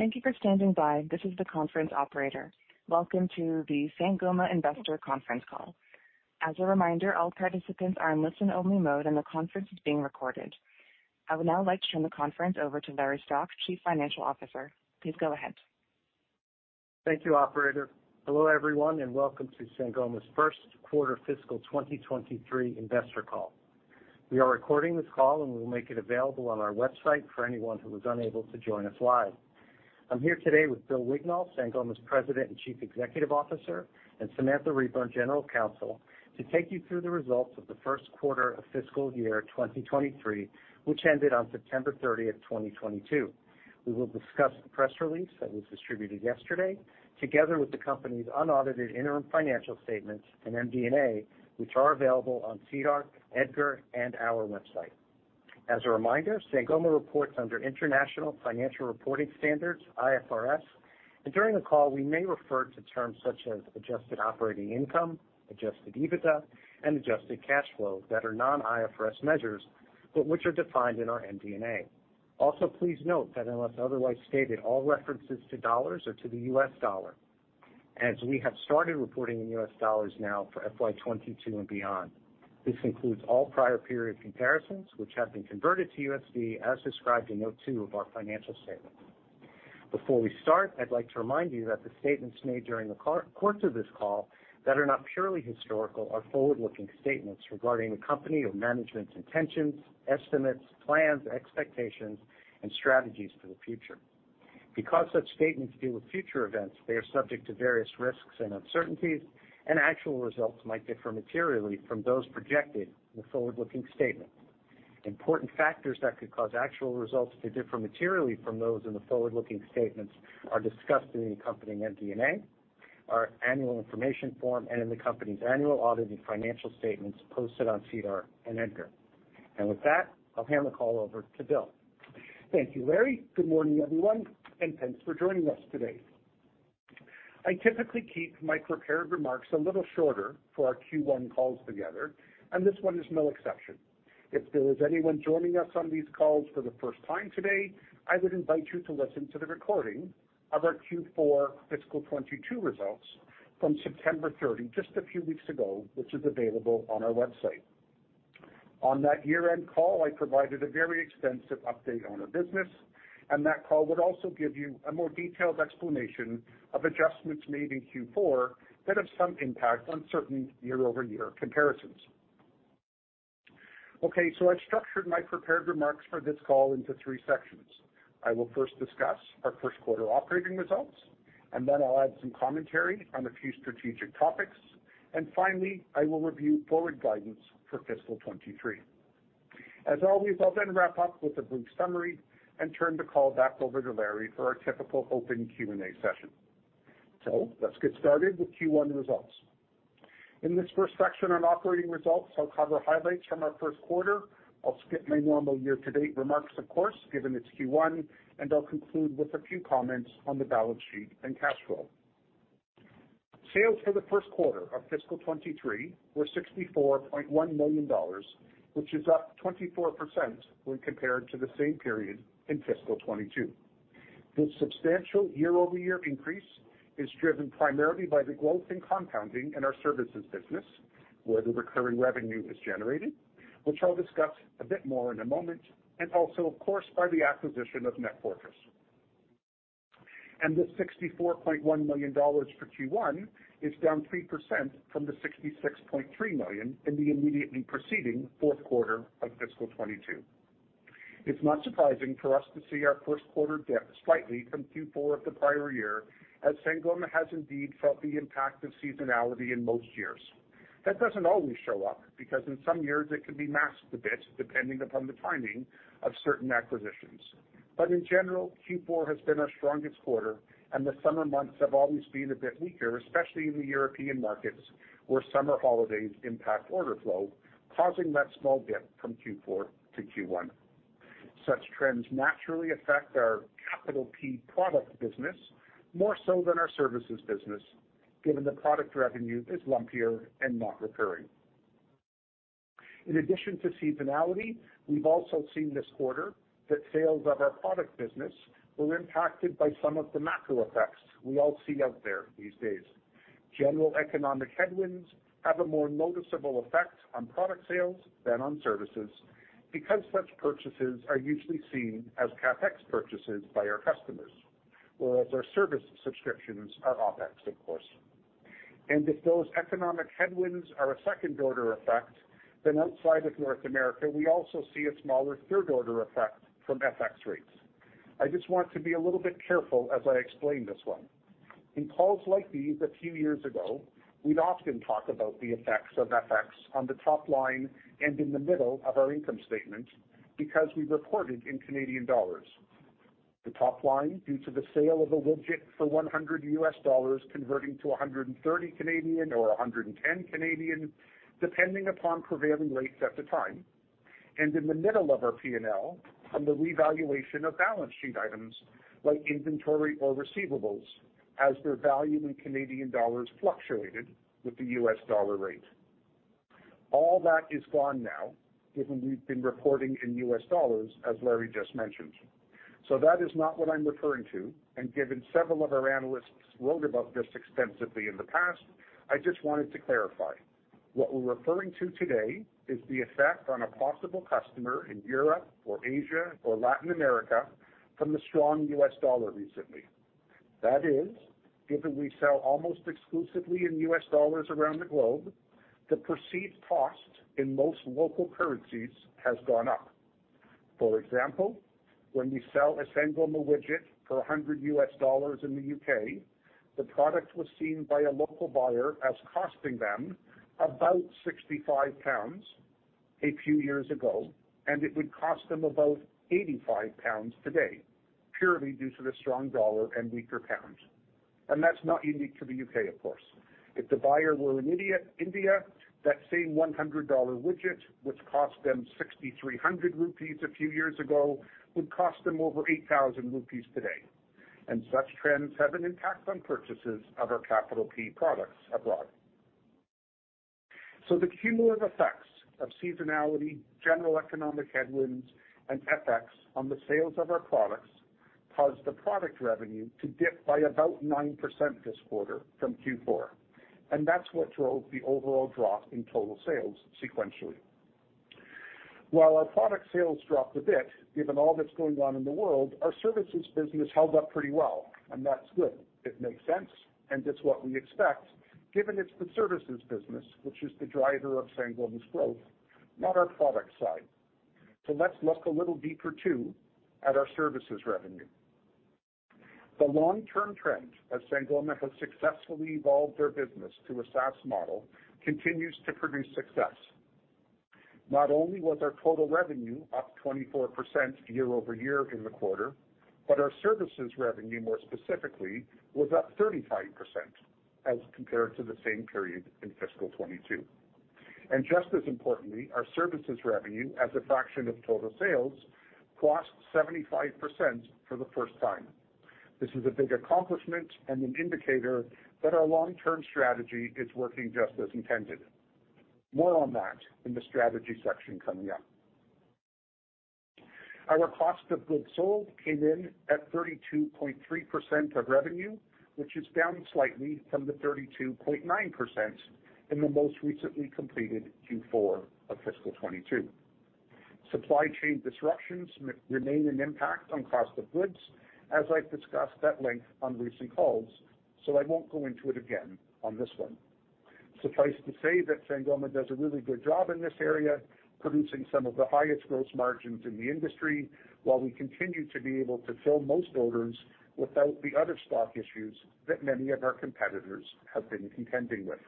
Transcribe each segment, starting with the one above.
Thank you for standing by. This is the conference operator. Welcome to the Sangoma Investor Conference Call. As a reminder, all participants are in listen-only mode, and the conference is being recorded. I would now like to turn the conference over to Larry Stock, Chief Financial Officer. Please go ahead. Thank you, operator. Hello, everyone, and welcome to Sangoma's 1st quarter fiscal 2023 investor call. We are recording this call, and we will make it available on our website for anyone who was unable to join us live. I'm here today with Bill Wignall, Sangoma's President and Chief Executive Officer, and Samantha Reburn, General Counsel, to take you through the results of the 1st quarter of fiscal year 2023, which ended on September 30, 2022. We will discuss the press release that was distributed yesterday, together with the company's unaudited interim financial statements and MD&A, which are available on SEDAR, EDGAR, and our website. As a reminder, Sangoma reports under International Financial Reporting Standards, IFRS, and during the call we may refer to terms such as adjusted operating income, adjusted EBITDA, and adjusted cash flows that are non-IFRS measures, but which are defined in our MD&A. Also, please note that unless otherwise stated, all references to dollars are to the U.S. dollar. As we have started reporting in U.S. dollars now for FY 2022 and beyond. This includes all prior period comparisons which have been converted to U.S.D as described in note two of our financial statement. Before we start, I'd like to remind you that the statements made during the course of this call that are not purely historical are forward-looking statements regarding the company or management's intentions, estimates, plans, expectations, and strategies for the future. Because such statements deal with future events, they are subject to various risks and uncertainties, and actual results might differ materially from those projected in the forward-looking statement. Important factors that could cause actual results to differ materially from those in the forward-looking statements are discussed in the accompanying MD&A, our annual information form, and in the company's annual audited financial statements posted on SEDAR and EDGAR. With that, I'll hand the call over to Bill. Thank you, Larry. Good morning, everyone, and thanks for joining us today. I typically keep my prepared remarks a little shorter for our Q1 calls together, and this one is no exception. If there is anyone joining us on these calls for the 1st time today, I would invite you to listen to the recording of our Q4 fiscal 2022 results from September 30, just a few weeks ago, which is available on our website. On that year-end call, I provided a very extensive update on our business, and that call would also give you a more detailed explanation of adjustments made in Q4 that have some impact on certain year-over-year comparisons. Okay, I've structured my prepared remarks for this call into three sections. I will 1st discuss our 1st quarter operating results, and then I'll add some commentary on a few strategic topics. Finally, I will review forward guidance for fiscal 2023. As always, I'll then wrap up with a brief summary and turn the call back over to Larry for our typical open Q&A session. Let's get started with Q1 results. In this 1st section on operating results, I'll cover highlights from our 1st quarter. I'll skip my normal year-to-date remarks, of course, given it's Q1, and I'll conclude with a few comments on the balance sheet and cash flow. Sales for the 1st quarter of fiscal 2023 were $64.1 million, which is up 24% when compared to the same period in fiscal 2022. This substantial year-over-year increase is driven primarily by the growth in compounding in our services business, where the recurring revenue is generated, which I'll discuss a bit more in a moment, and also, of course, by the acquisition of NetFortris. The $64.1 million for Q1 is down 3% from the $66.3 million in the immediately preceding 4th quarter of fiscal 2022. It's not surprising for us to see our 1st quarter dip slightly from Q4 of the prior year, as Sangoma has indeed felt the impact of seasonality in most years. That doesn't always show up, because in some years it can be masked a bit depending upon the timing of certain acquisitions. In general, Q4 has been our strongest quarter and the summer months have always been a bit weaker, especially in the European markets where summer holidays impact order flow, causing that small dip from Q4 to Q1. Such trends naturally affect our capital product business more so than our services business, given the product revenue is lumpier and not recurring. In addition to seasonality, we've also seen this quarter that sales of our product business were impacted by some of the macro effects we all see out there these days. General economic headwinds have a more noticeable effect on product sales than on services because such purchases are usually seen as CapEx purchases by our customers, whereas our service subscriptions are OpEx, of course. If those economic headwinds are a 2nd order effect, then outside of North America, we also see a smaller 3rd order effect from FX rates. I just want to be a little bit careful as I explain this one. In calls like these a few years ago, we'd often talk about the effects of FX on the top line and in the middle of our income statement because we reported in Canadian dollars. The top line, due to the sale of a widget for $100 converting to 130 or 110, depending upon prevailing rates at the time, and in the middle of our P&L from the revaluation of balance sheet items like inventory or receivables as their value in Canadian dollars fluctuated with the U.S. dollar rate. All that is gone now, given we've been reporting in U.S. dollars, as Larry just mentioned. That is not what I'm referring to, and given several of our analysts wrote about this extensively in the past, I just wanted to clarify. What we're referring to today is the effect on a possible customer in Europe or Asia or Latin America from the strong U.S. dollar recently. That is, given we sell almost exclusively in U.S. dollars around the globe, the perceived cost in most local currencies has gone up. For example, when we sell a Sangoma widget for $100 in the U.K., the product was seen by a local buyer as costing them about 65 pounds a few years ago, and it would cost them about 85 pounds today, purely due to the strong dollar and weaker pound. That's not unique to the U.K., of course. If the buyer were in India, that same $100 widget, which cost them 6,300 rupees a few years ago, would cost them over 8,000 rupees INR today. Such trends have an impact on purchases of our CapEx products abroad. The cumulative effects of seasonality, general economic headwinds, and FX on the sales of our products caused the product revenue to dip by about 9% this quarter from Q4. That's what drove the overall drop in total sales sequentially. While our product sales dropped a bit, given all that's going on in the world, our services business held up pretty well, and that's good. It makes sense, and it's what we expect, given it's the services business which is the driver of Sangoma's growth, not our product side. Let's look a little deeper too at our services revenue. The long-term trend, as Sangoma has successfully evolved their business to a SaaS model, continues to produce success. Not only was our total revenue up 24% year-over-year in the quarter, but our services revenue, more specifically, was up 35% as compared to the same period in fiscal 2022. Just as importantly, our services revenue as a fraction of total sales crossed 75% for the 1st time. This is a big accomplishment and an indicator that our long-term strategy is working just as intended. More on that in the strategy section coming up. Our cost of goods sold came in at 32.3% of revenue, which is down slightly from the 32.9% in the most recently completed Q4 of fiscal 2022. Supply chain disruptions remain an impact on cost of goods, as I've discussed at length on recent calls, so I won't go into it again on this one. Suffice to say that Sangoma does a really good job in this area, producing some of the highest gross margins in the industry, while we continue to be able to fill most orders without the other stock issues that many of our competitors have been contending with.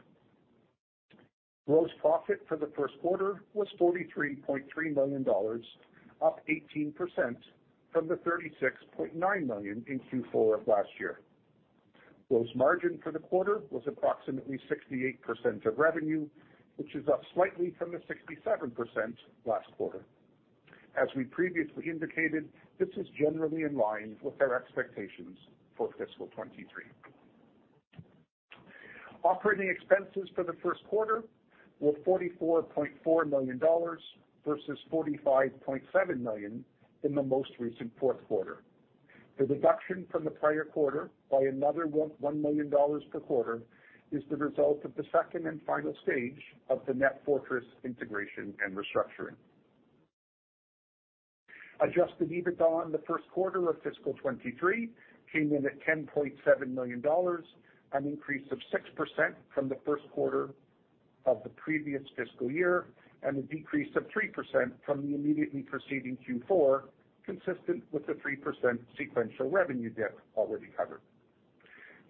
Gross profit for the 1st quarter was $43.3 million, up 18% from the $36.9 million in Q4 of last year. Gross margin for the quarter was approximately 68% of revenue, which is up slightly from the 67% last quarter. As we previously indicated, this is generally in line with our expectations for fiscal 2023. Operating expenses for the 1st quarter were $44.4 million versus $45.7 million in the most recent 4th quarter. The deduction from the prior quarter by another $1 million per quarter is the result of the 2nd and final stage of the NetFortris integration and restructuring. Adjusted EBITDA in the 1st quarter of fiscal 2023 came in at $10.7 million, an increase of 6% from the 1st quarter of the previous fiscal year, and a decrease of 3% from the immediately preceding Q4, consistent with the 3% sequential revenue dip already covered.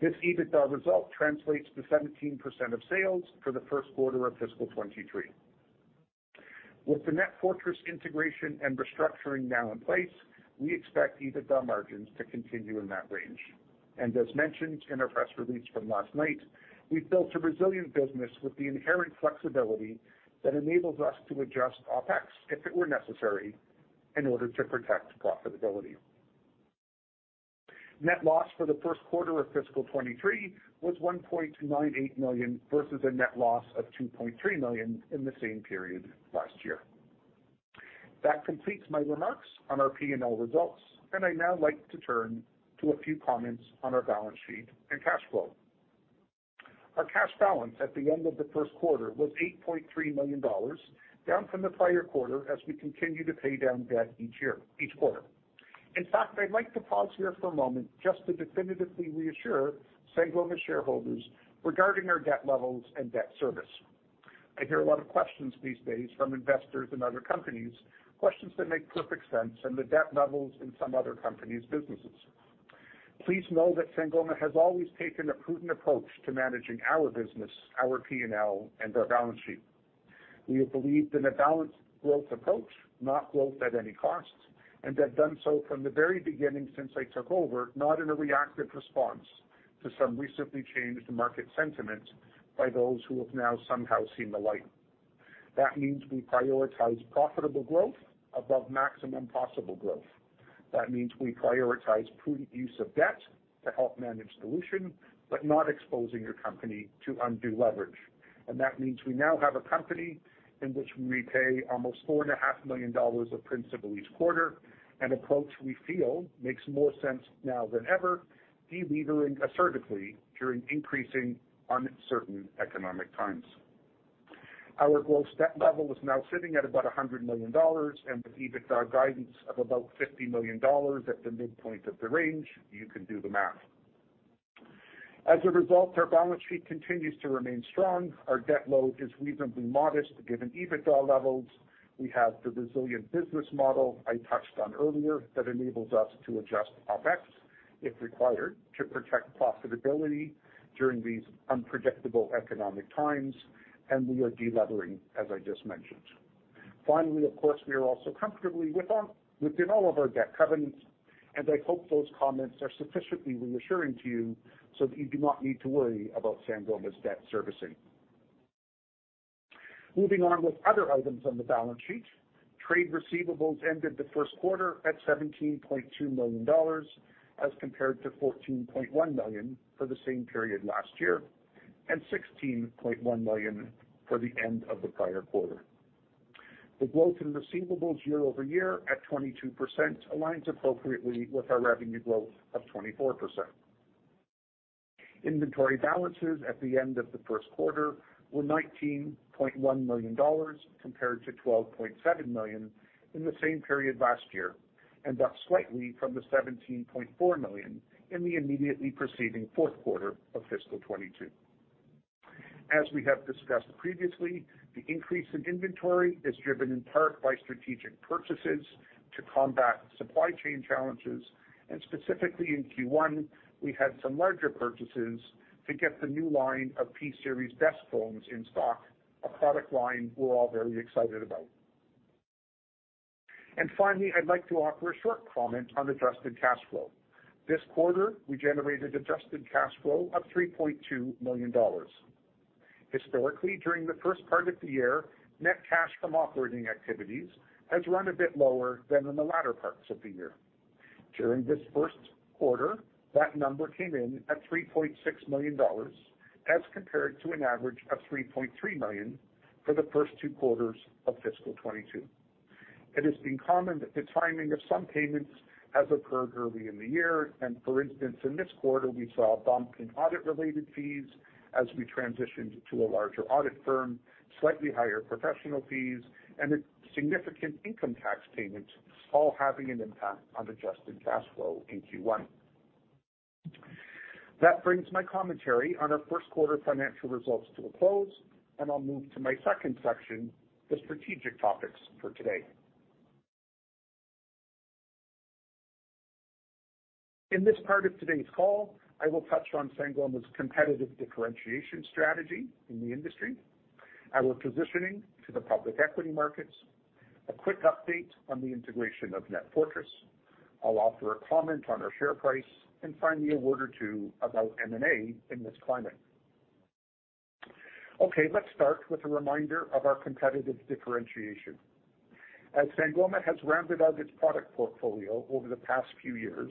This EBITDA result translates to 17% of sales for the 1st quarter of fiscal 2023. With the NetFortris integration and restructuring now in place, we expect EBITDA margins to continue in that range. As mentioned in our press release from last night, we've built a resilient business with the inherent flexibility that enables us to adjust OpEx if it were necessary in order to protect profitability. Net loss for the 1st quarter of fiscal 2023 was $1.98 million, versus a net loss of $2.3 million in the same period last year. That completes my remarks on our P&L results, and I'd now like to turn to a few comments on our balance sheet and cash flow. Our cash balance at the end of the 1st quarter was $8.3 million, down from the prior quarter as we continue to pay down debt each quarter. In fact, I'd like to pause here for a moment just to definitively reassure Sangoma shareholders regarding our debt levels and debt service. I hear a lot of questions these days from investors and other companies, questions that make perfect sense and the debt levels in some other companies' businesses. Please know that Sangoma has always taken a prudent approach to managing our business, our P&L, and our balance sheet. We have believed in a balanced growth approach, not growth at any cost, and have done so from the very beginning since I took over, not in a reactive response to some recently changed market sentiment by those who have now somehow seen the light. That means we prioritize profitable growth above maximum possible growth. That means we prioritize prudent use of debt to help manage dilution, but not exposing your company to undue leverage. That means we now have a company in which we repay almost $4.5 million of principal each quarter, an approach we feel makes more sense now than ever, delevering assertively during increasing uncertain economic times. Our gross debt level is now sitting at about $100 million, and with EBITDA guidance of about $50 million at the midpoint of the range, you can do the math. As a result, our balance sheet continues to remain strong. Our debt load is reasonably modest, given EBITDA levels. We have the resilient business model I touched on earlier that enables us to adjust OpEx, if required, to protect profitability during these unpredictable economic times, and we are delevering, as I just mentioned. Finally, of course, we are also comfortably within all of our debt covenants, and I hope those comments are sufficiently reassuring to you so that you do not need to worry about Sangoma's debt servicing. Moving on with other items on the balance sheet. Trade receivables ended the 1st quarter at $17.2 million, as compared to $14.1 million for the same period last year, and $16.1 million for the end of the prior quarter. The growth in receivables year-over-year at 22% aligns appropriately with our revenue growth of 24%. Inventory balances at the end of the 1st quarter were $19.1 million, compared to $12.7 million in the same period last year, and up slightly from the $17.4 million in the immediately preceding 4th quarter of fiscal 2022. As we have discussed previously, the increase in inventory is driven in part by strategic purchases to combat supply chain challenges, and specifically in Q1, we had some larger purchases to get the new line of P-Series desk phones in stock, a product line we're all very excited about. Finally, I'd like to offer a short comment on adjusted cash flow. This quarter, we generated adjusted cash flow of $3.2 million. Historically, during the 1st part of the year, net cash from operating activities has run a bit lower than in the latter parts of the year. During this 1st quarter, that number came in at $3.6 million, as compared to an average of $3.3 million for the 1st two quarters of fiscal 2022. It has been common that the timing of some payments has occurred early in the year. For instance, in this quarter, we saw a bump in audit-related fees as we transitioned to a larger audit firm, slightly higher professional fees, and a significant income tax payment, all having an impact on adjusted cash flow in Q1. That brings my commentary on our 1st quarter financial results to a close, and I'll move to my 2nd section, the strategic topics for today. In this part of today's call, I will touch on Sangoma's competitive differentiation strategy in the industry. Our positioning to the public equity markets. A quick update on the integration of NetFortris. I'll offer a comment on our share price. Finally, a word or two about M&A in this climate. Okay, let's start with a reminder of our competitive differentiation. As Sangoma has rounded out its product portfolio over the past few years,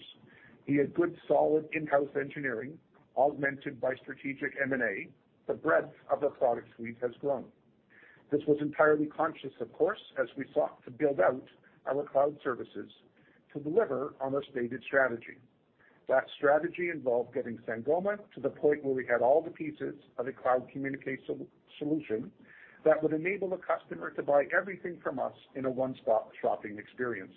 via good, solid in-house engineering augmented by strategic M&A, the breadth of the product suite has grown. This was entirely conscious, of course, as we sought to build out our cloud services to deliver on our stated strategy. That strategy involved getting Sangoma to the point where we had all the pieces of a cloud communication solution that would enable a customer to buy everything from us in a one-stop shopping experience.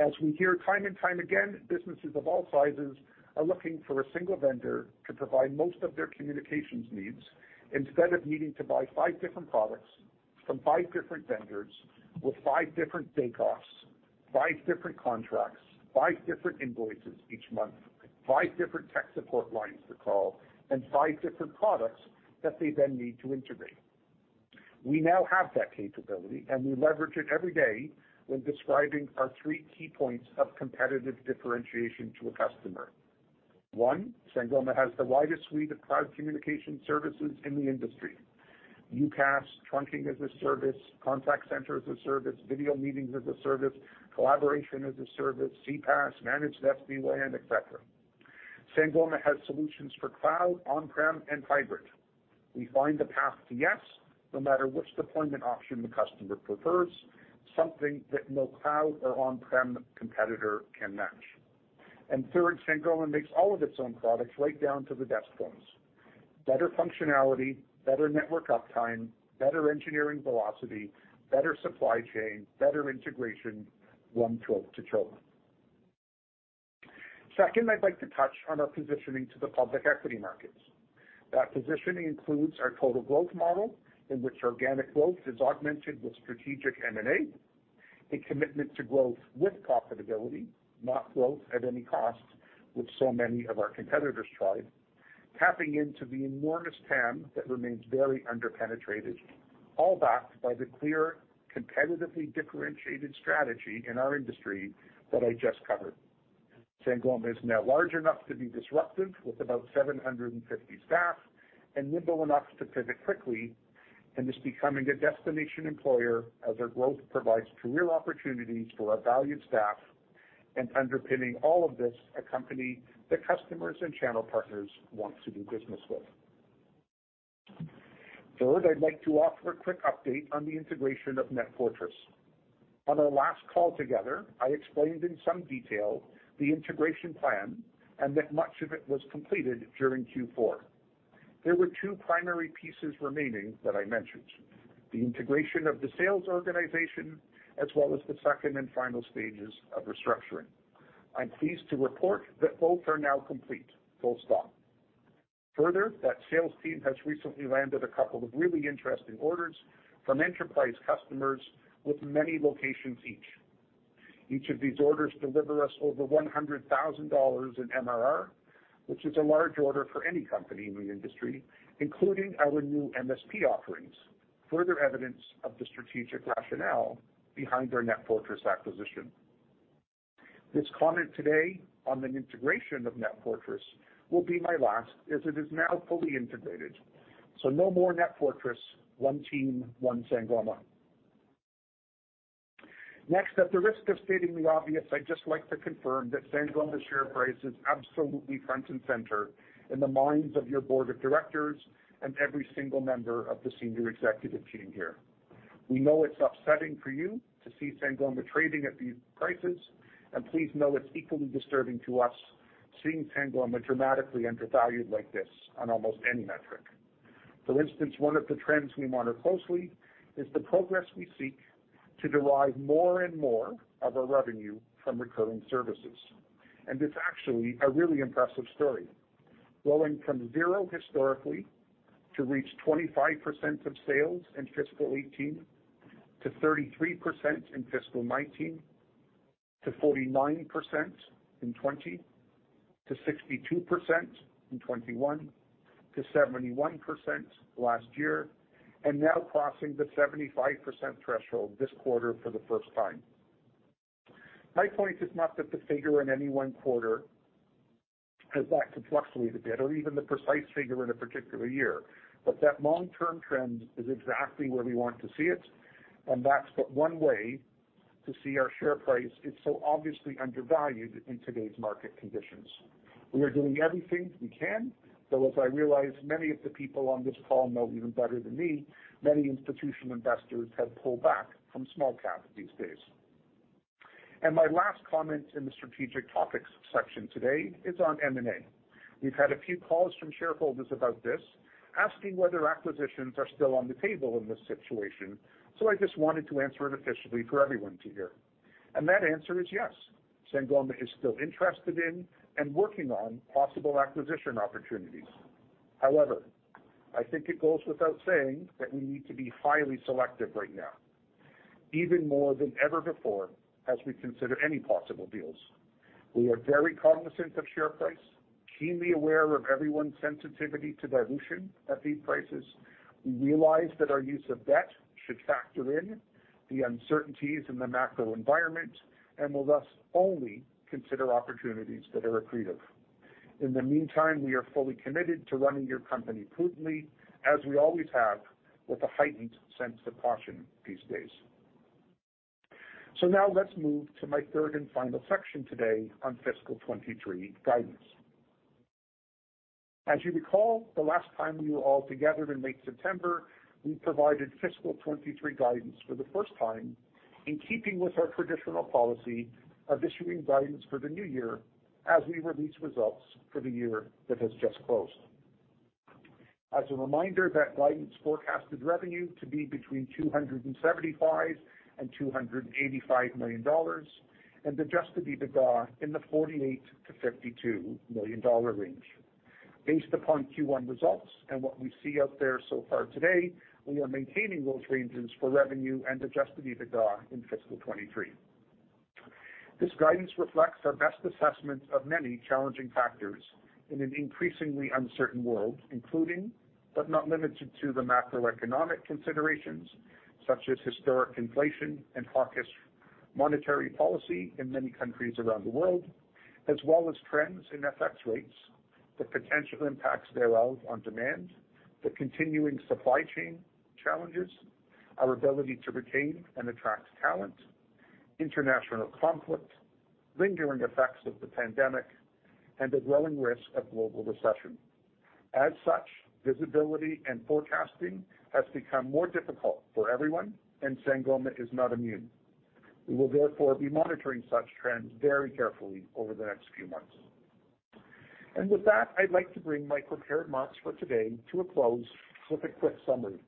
As we hear time and time again, businesses of all sizes are looking for a single vendor to provide most of their communications needs instead of needing to buy five different products from five different vendors with five different take-offs, five different contracts, five different invoices each month, five different tech support lines to call, and five different products that they then need to integrate. We now have that capability, and we leverage it every day when describing our three key points of competitive differentiation to a customer. One, Sangoma has the widest suite of cloud communication services in the industry. UCaaS, trunking as a service, contact center as a service, video meetings as a service, collaboration as a service, CPaaS, managed SD-WAN, et cetera. Sangoma has solutions for cloud, on-prem, and hybrid. We find the path to yes, no matter which deployment option the customer prefers, something that no cloud or on-prem competitor can match. Third, Sangoma makes all of its own products right down to the desk phones. Better functionality, better network uptime, better engineering velocity, better supply chain, better integration, one throat to choke. Second, I'd like to touch on our positioning to the public equity markets. That positioning includes our total growth model in which organic growth is augmented with strategic M&A, a commitment to growth with profitability, not growth at any cost, which so many of our competitors tried, tapping into the enormous TAM that remains very under-penetrated, all backed by the clear, competitively differentiated strategy in our industry that I just covered. Sangoma is now large enough to be disruptive with about 750 staff, and nimble enough to pivot quickly, and is becoming a destination employer as our growth provides career opportunities for our valued staff, and underpinning all of this, a company that customers and channel partners want to do business with. Third, I'd like to offer a quick update on the integration of NetFortris. On our last call together, I explained in some detail the integration plan and that much of it was completed during Q4. There were two primary pieces remaining that I mentioned, the integration of the sales organization, as well as the 2nd and final stages of restructuring. I'm pleased to report that both are now complete. Full stop. Further, that sales team has recently landed a couple of really interesting orders from enterprise customers with many locations each. Each of these orders deliver us over $100,000 in MRR, which is a large order for any company in the industry, including our new MSP offerings. Further evidence of the strategic rationale behind our NetFortris acquisition. This comment today on the integration of NetFortris will be my last, as it is now fully integrated, so no more NetFortris. One team, one Sangoma. Next, at the risk of stating the obvious, I'd just like to confirm that Sangoma's share price is absolutely front and center in the minds of your board of directors and every single member of the senior executive team here. We know it's upsetting for you to see Sangoma trading at these prices, and please know it's equally disturbing to us seeing Sangoma dramatically undervalued like this on almost any metric. For instance, one of the trends we monitor closely is the progress we seek to derive more and more of our revenue from recurring services. It's actually a really impressive story. Growing from zero historically to reach 25% of sales in fiscal 2018, to 33% in fiscal 2019, to 49% in 2020, to 62% in 2021, to 71% last year, and now crossing the 75% threshold this quarter for the 1st time. My point is not that the figure in any one quarter is apt to fluctuate a bit or even the precise figure in a particular year, but that long-term trend is exactly where we want to see it, and that's but one way to see our share price is so obviously undervalued in today's market conditions. We are doing everything we can, though, as I realize, many of the people on this call know even better than me, many institutional investors have pulled back from small cap these days. My last comment in the strategic topics section today is on M&A. We've had a few calls from shareholders about this, asking whether acquisitions are still on the table in this situation. I just wanted to answer it officially for everyone to hear. That answer is yes, Sangoma is still interested in and working on possible acquisition opportunities. However, I think it goes without saying that we need to be highly selective right now, even more than ever before, as we consider any possible deals. We are very cognizant of share price, keenly aware of everyone's sensitivity to dilution at these prices. We realize that our use of debt should factor in the uncertainties in the macro environment and will thus only consider opportunities that are accretive. In the meantime, we are fully committed to running your company prudently, as we always have, with a heightened sense of caution these days. Now let's move to my 3rd and final section today on fiscal 2023 guidance. As you recall, the last time we were all together in late September, we provided fiscal 2023 guidance for the 1st time in keeping with our traditional policy of issuing guidance for the new year as we release results for the year that has just closed. As a reminder, that guidance forecasted revenue to be between $275 million and $285 million and adjusted EBITDA in the $48 million-$52 million range. Based upon Q1 results and what we see out there so far today, we are maintaining those ranges for revenue and adjusted EBITDA in fiscal 2023. This guidance reflects our best assessment of many challenging factors in an increasingly uncertain world, including but not limited to the macroeconomic considerations such as historic inflation and hawkish monetary policy in many countries around the world, as well as trends in FX rates, the potential impacts thereof on demand, the continuing supply chain challenges, our ability to retain and attract talent, international conflict, lingering effects of the pandemic, and the growing risk of global recession. As such, visibility and forecasting has become more difficult for everyone, and Sangoma is not immune. We will therefore be monitoring such trends very carefully over the next few months. With that, I'd like to bring my prepared remarks for today to a close with a quick summary.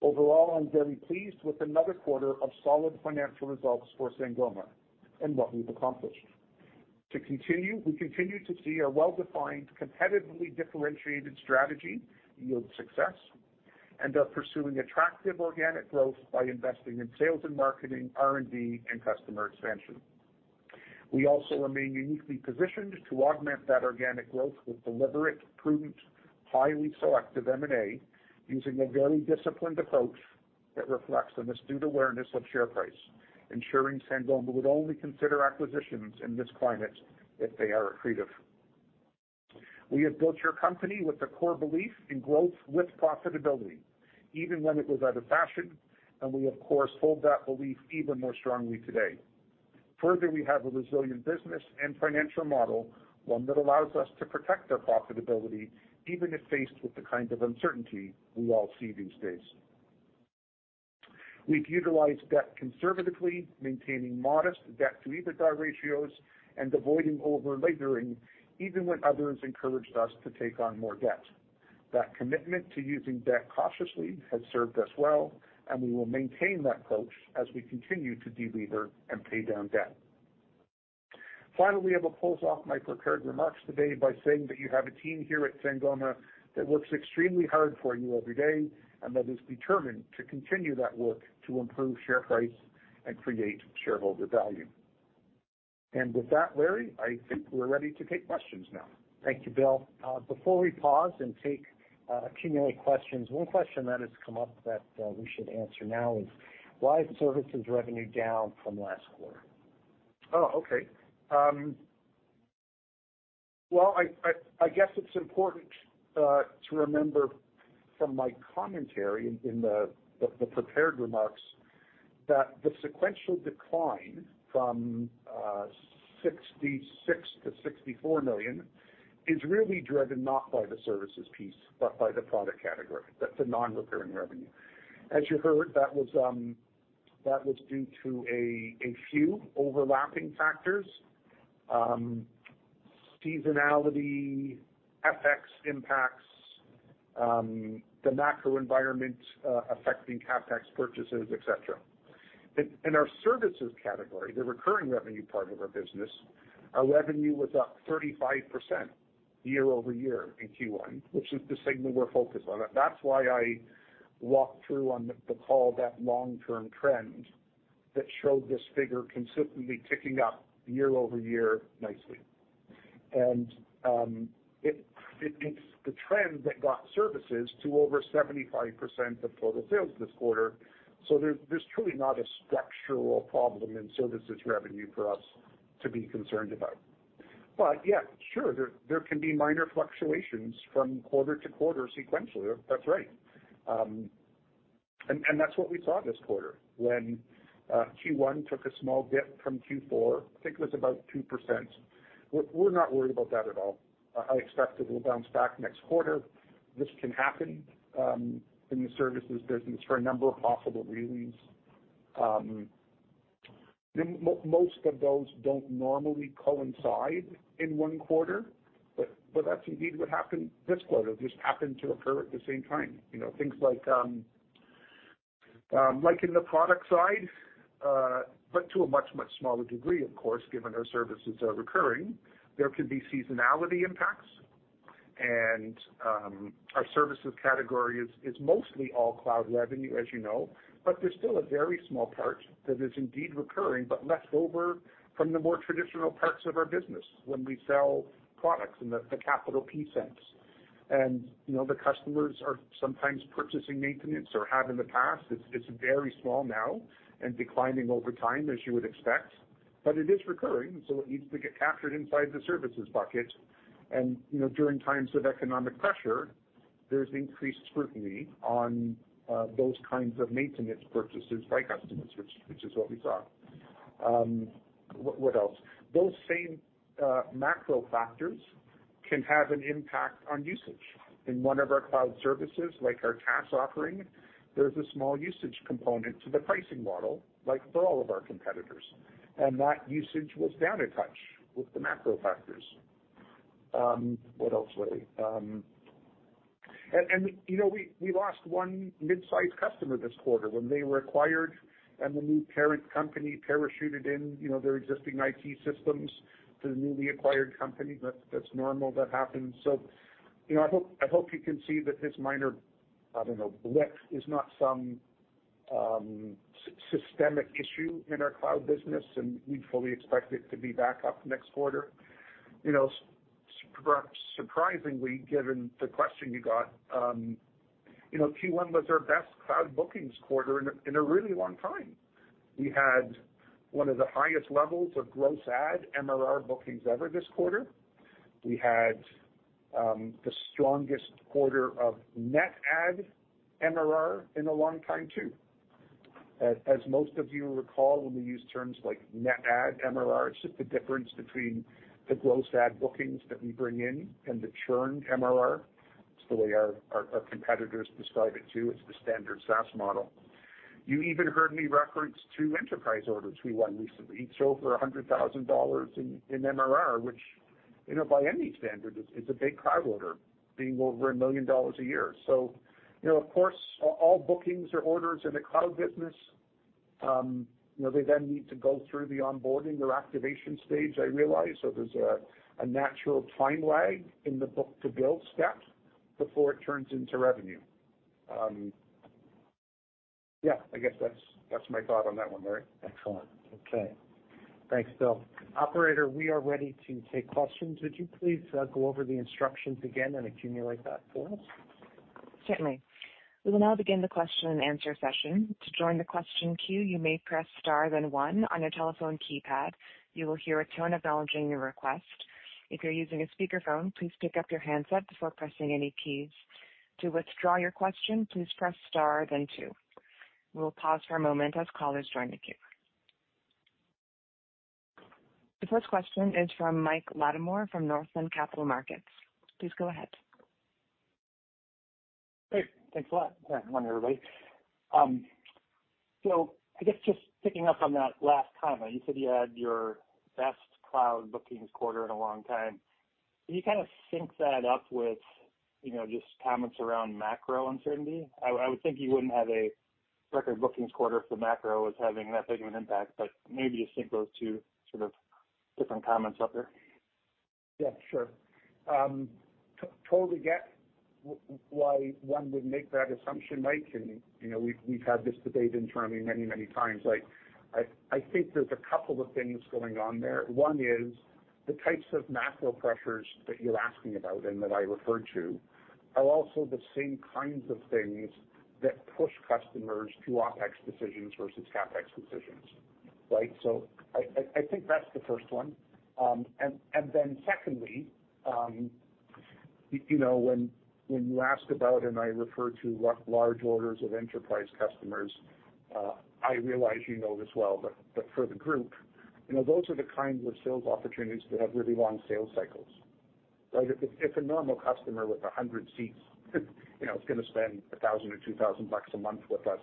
Overall, I'm very pleased with another quarter of solid financial results for Sangoma and what we've accomplished. To continue, we continue to see our well-defined, competitively differentiated strategy yield success and are pursuing attractive organic growth by investing in sales and marketing, R&D and customer expansion. We also remain uniquely positioned to augment that organic growth with deliberate, prudent, highly selective M&A using a very disciplined approach. That reflects a heightened awareness of share price, ensuring Sangoma would only consider acquisitions in this climate if they are accretive. We have built our company with the core belief in growth with profitability, even when it was out of fashion, and we of course hold that belief even more strongly today. Further, we have a resilient business and financial model, one that allows us to protect our profitability even if faced with the kind of uncertainty we all see these days. We've utilized debt conservatively, maintaining modest debt to EBITDA ratios and avoiding over-leveraging even when others encouraged us to take on more debt. That commitment to using debt cautiously has served us well, and we will maintain that approach as we continue to delever and pay down debt. Finally, I will close off my prepared remarks today by saying that you have a team here at Sangoma that works extremely hard for you every day and that is determined to continue that work to improve share price and create shareholder value. With that, Larry, I think we're ready to take questions now. Thank you, Bill. Before we pause and accumulate questions, one question that has come up that we should answer now is why is services revenue down from last quarter? Oh, okay. Well, I guess it's important to remember from my commentary in the prepared remarks that the sequential decline from $66 million-$64 million is really driven not by the services piece, but by the product category. That's a non-recurring revenue. As you heard, that was due to a few overlapping factors, seasonality, FX impacts, the macro environment affecting CapEx purchases, et cetera. In our services category, the recurring revenue part of our business, our revenue was up 35% year-over-year in Q1, which is the segment we're focused on. That's why I walked through on the call that long-term trend that showed this figure consistently ticking up year-over-year nicely. It's the trend that got services to over 75% of total sales this quarter. There's truly not a structural problem in services revenue for us to be concerned about. Yeah, sure, there can be minor fluctuations from quarter to quarter sequentially. That's right. That's what we saw this quarter when Q1 took a small dip from Q4. I think it was about 2%. We're not worried about that at all. I expect that we'll bounce back next quarter. This can happen in the services business for a number of possible reasons. The most of those don't normally coincide in one quarter, but that's indeed what happened this quarter. It just happened to occur at the same time. You know, things like in the product side, but to a much smaller degree, of course, given our services are recurring. There can be seasonality impacts and our services category is mostly all cloud revenue, as you know. There's still a very small part that is indeed recurring, but left over from the more traditional parts of our business when we sell products in the capital P sense. You know, the customers are sometimes purchasing maintenance or have in the past. It's very small now and declining over time, as you would expect. It is recurring, so it needs to get captured inside the services bucket. You know, during times of economic pressure, there's increased scrutiny on those kinds of maintenance purchases by customers, which is what we saw. What else? Those same macro factors can have an impact on usage. In one of our cloud services, like our TaaS offering, there's a small usage component to the pricing model, like for all of our competitors. That usage was down a touch with the macro factors. What else, Larry? You know, we lost one mid-sized customer this quarter when they were acquired and the new parent company parachuted in, you know, their existing IT systems to the newly acquired company. That's normal, that happens. You know, I hope you can see that this minor, I don't know, blip is not some systemic issue in our cloud business, and we fully expect it to be back up next quarter. You know, perhaps surprisingly, given the question you got, you know, Q1 was our best cloud bookings quarter in a really long time. We had one of the highest levels of gross add MRR bookings ever this quarter. We had the strongest quarter of net add MRR in a long time too. As most of you recall, when we use terms like net add MRR, it's just the difference between the gross add bookings that we bring in and the churned MRR. It's the way our competitors describe it too. It's the standard SaaS model. You even heard me reference two enterprise orders we won recently. Each over $100,000 in MRR, which, you know, by any standard is a big cloud order, being over $1 million a year. You know, of course, all bookings or orders in the cloud business, you know, they then need to go through the onboarding or activation stage I realize. There's a natural time lag in the book-to-bill step before it turns into revenue. Yeah, I guess that's my thought on that one, Larry. Excellent. Okay. Thanks, Bill. Operator, we are ready to take questions. Would you please go over the instructions again and accumulate that for us? Certainly. We will now begin the question and answer session. To join the question queue, you may press star then one on your telephone keypad. You will hear a tone acknowledging your request. If you're using a speakerphone, please pick up your handset before pressing any keys. To withdraw your question, please press star then two. We'll pause for a moment as callers join the queue. The 1st question is from Michael Latimore from Northland Capital Markets. Please go ahead. Great. Thanks a lot. Good morning, everybody. I guess just picking up on that last comment, you said you had your best cloud bookings quarter in a long time. Can you kind of sync that up with, you know, just comments around macro uncertainty? I would think you wouldn't have a record bookings quarter if the macro was having that big of an impact, but maybe just sync those two sort of different comments up there. Yeah, sure. Totally get why one would make that assumption, Mike, and you know, we've had this debate internally many times. Like, I think there's a couple of things going on there. One is the types of macro pressures that you're asking about and that I referred to are also the same kinds of things that push customers to OpEx decisions versus CapEx decisions. Right? I think that's the 1st one. Secondly, you know, when you ask about and I refer to what large orders of enterprise customers, I realize you know this well, but for the group, you know, those are the kinds of sales opportunities that have really long sales cycles, right? If a normal customer with 100 seats, you know, is gonna spend $1,000 or $2,000 bucks a month with us,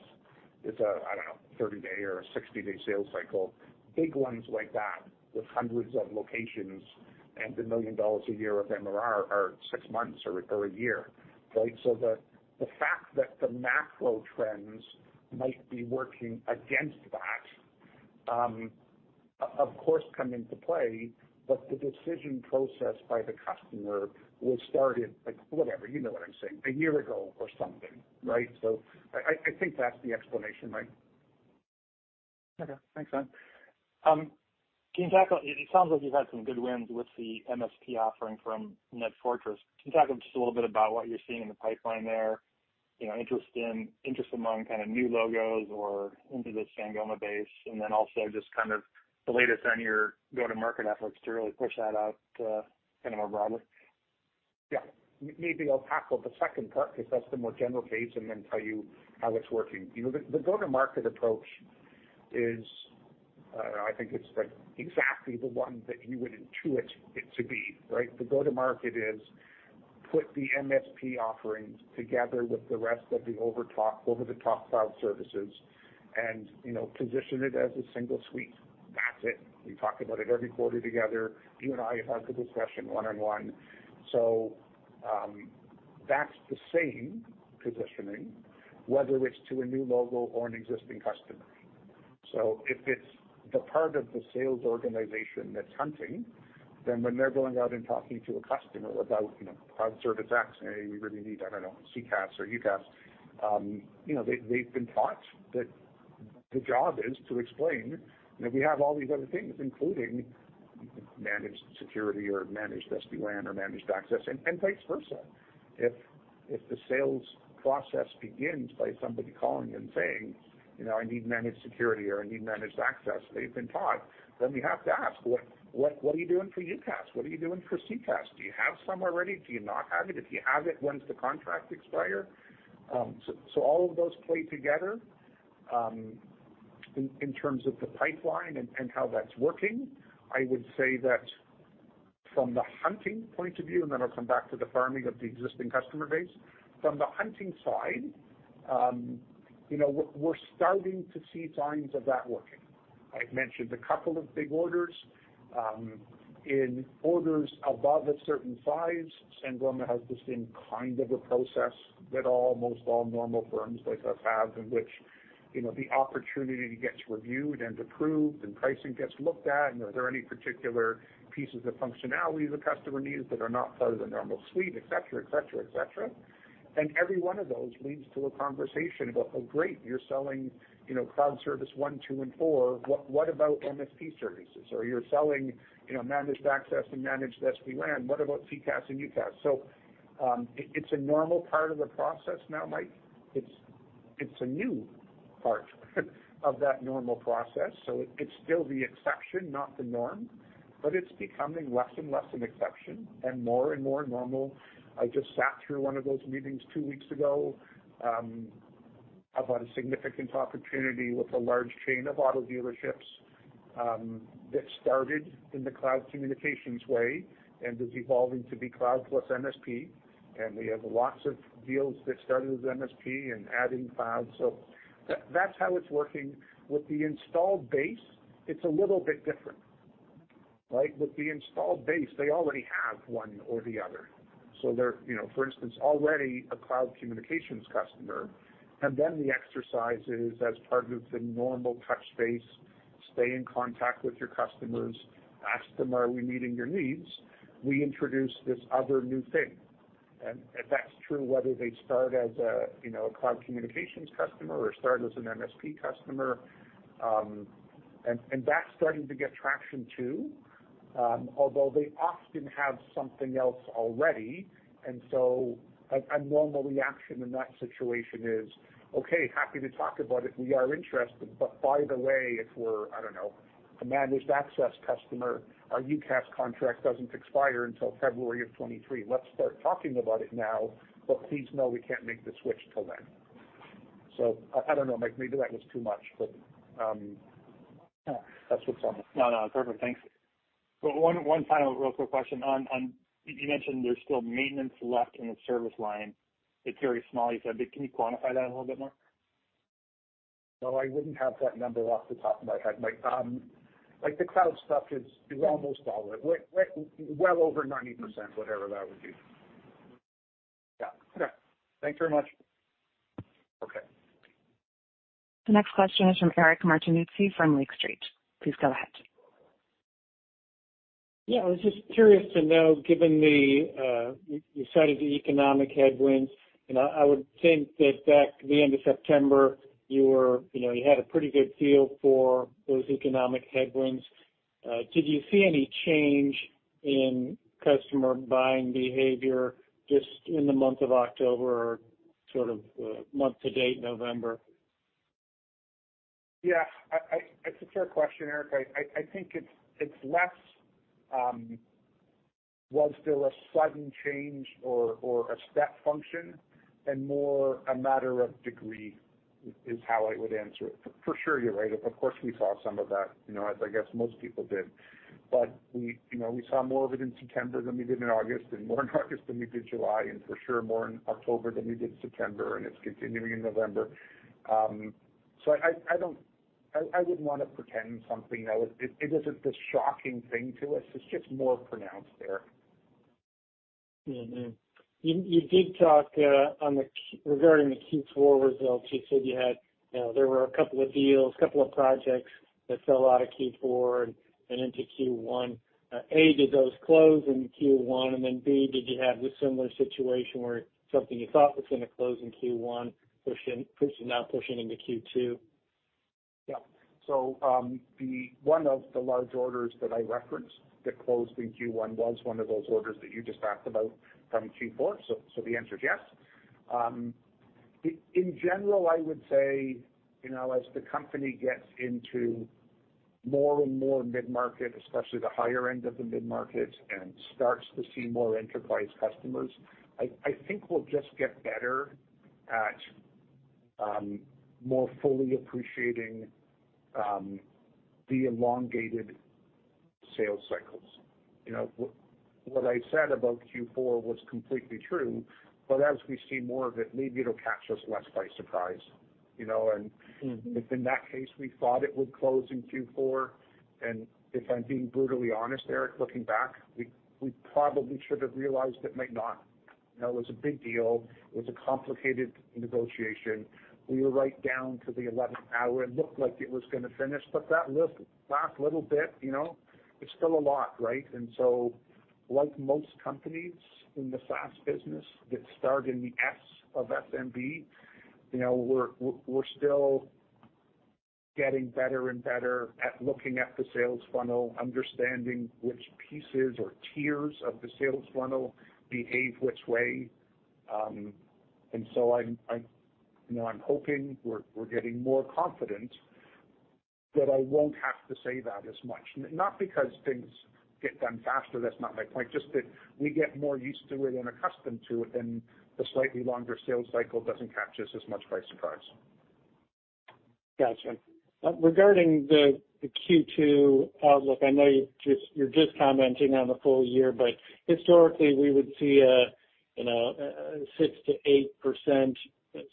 it's, I don't know, a 30 day or a 60 day sales cycle. Big ones like that with hundreds of locations and $1 million a year of MRR are six months or a year, right? The fact that the macro trends might be working against that, of course, come into play, but the decision process by the customer was started like whatever, you know what I'm saying, a year ago or something, right? I think that's the explanation, Mike. Okay. Bill. Can you tackle it? It sounds like you've had some good wins with the MSP offering from NetFortris. Can you talk just a little bit about what you're seeing in the pipeline there, interest among kind of new logos or into the Sangoma base, and then also just kind of the latest on your go-to-market efforts to really push that out, kind of more broadly? Yeah. Maybe I'll tackle the 2nd part because that's the more general case and then tell you how it's working. You know, the go-to-market approach is, I think it's like exactly the one that you would intuit it to be, right? The go-to-market is put the MSP offerings together with the rest of the over-the-top cloud services and, you know, position it as a single suite. That's it. We talk about it every quarter together. You and I have had the discussion one-on-one. That's the same positioning, whether it's to a new logo or an existing customer. If it's the part of the sales organization that's hunting, then when they're going out and talking to a customer about, you know, cloud service X, hey, we really need, I don't know, CCaaS or UCaaS, you know, they've been taught that the job is to explain that we have all these other things, including managed security or managed SD-WAN or managed access and vice versa. If the sales process begins by somebody calling and saying, you know, "I need managed security," or, "I need managed access," they've been taught, then we have to ask, "What are you doing for UCaaS? What are you doing for CCaaS? Do you have some already? Do you not have it? If you have it, when's the contract expire?" So all of those play together. In terms of the pipeline and how that's working, I would say that from the hunting point of view, and then I'll come back to the farming of the existing customer base. From the hunting side, you know, we're starting to see signs of that working. I've mentioned a couple of big orders. In orders above a certain size, Sangoma has the same kind of a process that most all normal firms like us have in which, you know, the opportunity gets reviewed and approved and pricing gets looked at and are there any particular pieces of functionality the customer needs that are not part of the normal suite, et cetera, et cetera, et cetera. Every one of those leads to a conversation about, oh, great, you're selling, you know, cloud service one, two, and four. What about MSP services? You're selling, you know, Managed Access and Managed SD-WAN, what about CCaaS and UCaaS? It's a normal part of the process now, Mike. It's a new part of that normal process, so it's still the exception, not the norm, but it's becoming less and less an exception and more and more normal. I just sat through one of those meetings two weeks ago about a significant opportunity with a large chain of auto dealerships that started in the cloud communications way and is evolving to be cloud plus MSP. We have lots of deals that started as MSP and adding cloud. That's how it's working. With the installed base, it's a little bit different, right? With the installed base, they already have one or the other. They're, for instance, already a cloud communications customer, and then the exercise is as part of the normal touch base, stay in contact with your customers, ask them, "Are we meeting your needs?" We introduce this other new thing. That's true whether they start as a cloud communications customer or start as an MSP customer. That's starting to get traction too, although they often have something else already. A normal reaction in that situation is, "Okay, happy to talk about it. We are interested. But by the way, if we're, I don't know, a managed access customer, our UCaaS contract doesn't expire until February of 2023. Let's start talking about it now, but please know we can't make the switch till then." I don't know, Mike, maybe that was too much. Yeah, that's what's on my- No, perfect. Thanks. One final real quick question. On, you mentioned there's still maintenance left in the service line. It's very small, you said. Can you quantify that a little bit more? No, I wouldn't have that number off the top of my head, Mike. Like, the cloud stuff is almost all of it. Way, well over 90%, whatever that would be. Yeah. Okay. Thanks very much. Okay. The next question is from Eric Martinuzzi from Lake Street. Please go ahead. Yeah, I was just curious to know, given the you cited the economic headwinds, you know, I would think that by the end of September, you were, you know, you had a pretty good feel for those economic headwinds. Did you see any change in customer buying behavior just in the month of October or sort of, month to date, November? Yeah, it's a fair question, Eric. I think it's less, was there a sudden change or a step function and more a matter of degree is how I would answer it. For sure, you're right. Of course, we saw some of that, you know, as I guess most people did. We, you know, we saw more of it in September than we did in August, and more in August than we did July, and for sure more in October than we did September, and it's continuing in November. I don't—I wouldn't wanna pretend something that was. It isn't this shocking thing to us. It's just more pronounced there. You did talk regarding the Q4 results. You said you had, you know, there were a couple of deals, couple of projects that fell out of Q4 and into Q1. A, did those close in Q1? And then B, did you have a similar situation where something you thought was gonna close in Q1 pushing now into Q2? Yeah. One of the large orders that I referenced that closed in Q1 was one of those orders that you just asked about from Q4. The answer is yes. In general, I would say, you know, as the company gets into more and more mid-market, especially the higher end of the mid-market, and starts to see more enterprise customers, I think we'll just get better at more fully appreciating the elongated sales cycles. You know, what I said about Q4 was completely true, but as we see more of it, maybe it'll catch us less by surprise, you know? Mm-hmm. If in that case, we thought it would close in Q4, and if I'm being brutally honest, Eric, looking back, we probably should have realized it might not. You know, it was a big deal. It was a complicated negotiation. We were right down to the eleventh hour. It looked like it was gonna finish. But that last little bit, you know, it's still a lot, right? Like most companies in the SaaS business that start in the S of SMB, you know, we're still getting better and better at looking at the sales funnel, understanding which pieces or tiers of the sales funnel behave which way. I'm hoping we're getting more confident that I won't have to say that as much. Not because things get done faster, that's not my point. Just that we get more used to it and accustomed to it, and the slightly longer sales cycle doesn't catch us as much by surprise. Gotcha. Regarding the Q2 outlook, I know you're just commenting on the full year, but historically, we would see a 6%-8%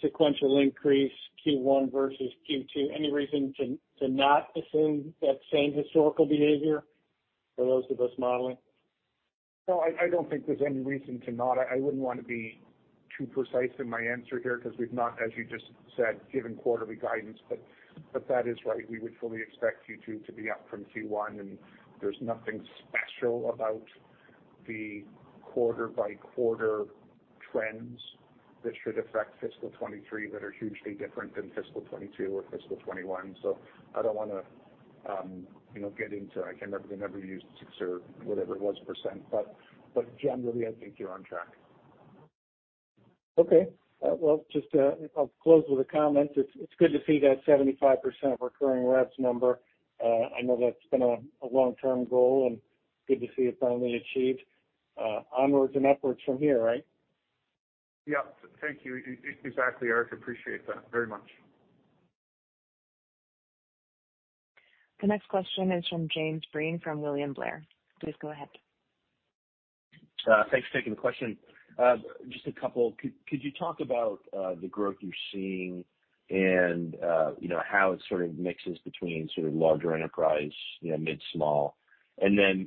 sequential increase Q1 versus Q2. Any reason to not assume that same historical behavior for those of us modeling? No, I don't think there's any reason to not. I wouldn't wanna be too precise in my answer here 'cause we've not, as you just said, given quarterly guidance. That is right. We would fully expect Q2 to be up from Q1, and there's nothing special about the quarter by quarter trends that should affect fiscal 2023 that are hugely different than fiscal 2022 or fiscal 2021. I don't wanna, you know, get into. I can never use 6% or whatever it was. Generally, I think you're on track. Okay. Well, just, I'll close with a comment. It's good to see that 75% recurring revs number. I know that's been a long-term goal, and good to see it finally achieved. Onwards and upwards from here, right? Yeah. Thank you. Exactly, Eric. Appreciate that very much. The next question is from Jim Breen from William Blair. Please go ahead. Thanks for taking the question. Just a couple. Could you talk about the growth you're seeing and, you know, how it sort of mixes between sort of larger enterprise, you know, mid, small?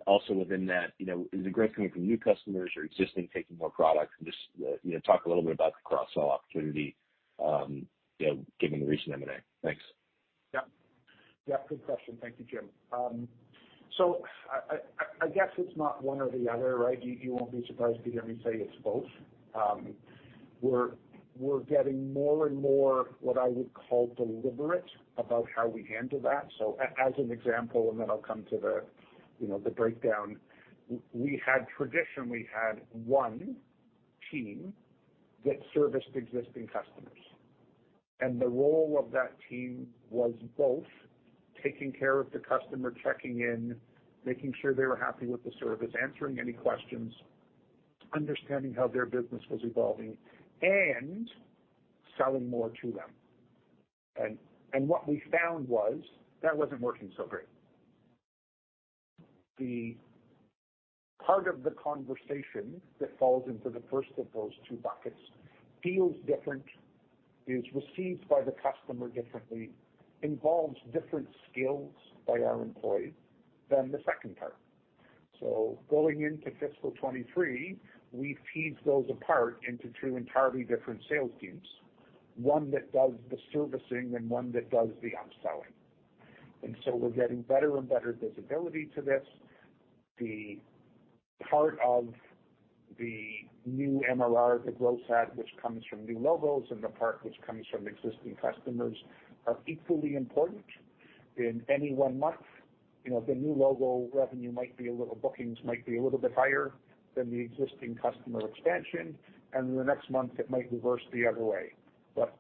Also within that, you know, is the growth coming from new customers or existing taking more product? Just, you know, talk a little bit about the cross-sell opportunity, you know, given the recent M&A. Thanks. Yeah. Yeah, good question. Thank you, Jim. I guess it's not one or the other, right? You won't be surprised to hear me say it's both. We're getting more and more what I would call deliberate about how we handle that. As an example, and then I'll come to the, you know, the breakdown. We had traditionally had one team that serviced existing customers, and the role of that team was both taking care of the customer, checking in, making sure they were happy with the service, answering any questions, understanding how their business was evolving and selling more to them. What we found was that wasn't working so great. The part of the conversation that falls into the 1st of those two buckets feels different, is received by the customer differently, involves different skills by our employees than the 2nd part. Going into fiscal 2023, we teased those apart into two entirely different sales teams, one that does the servicing and one that does the upselling. We're getting better and better visibility to this. The part of the new MRR, the growth side, which comes from new logos, and the part which comes from existing customers, are equally important. In any one month, you know, bookings might be a little bit higher than the existing customer expansion, and the next month it might reverse the other way. But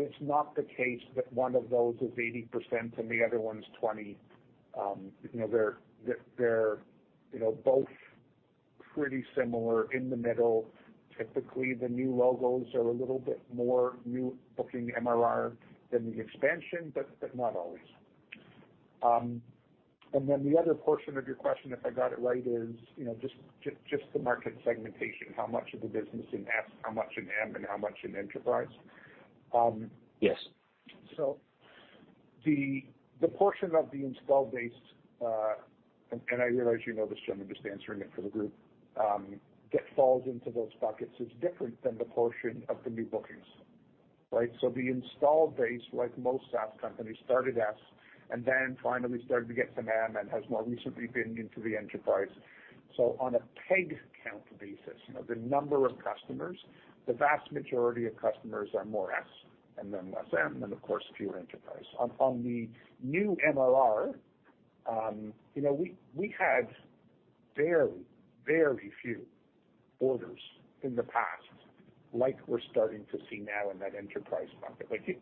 it's not the case that one of those is 80% and the other one's 20%. You know, they're you know, both pretty similar in the middle. Typically, the new logos are a little bit more new booking MRR than the expansion, but not always. And then the other portion of your question, if I got it right, is, you know, just the market segmentation. How much of the business in S, how much in M, and how much in enterprise? Yes. The portion of the installed base, I realize you know this, Jim, I'm just answering it for the group, that falls into those buckets is different than the portion of the new bookings, right? The installed base, like most SaaS companies, started S and then finally started to get some M and has more recently been into the enterprise. On a headcount basis, you know, the number of customers, the vast majority of customers are more S and then less M and of course, fewer enterprise. On the new MRR, you know, we had very few orders in the past like we're starting to see now in that enterprise bucket. Like,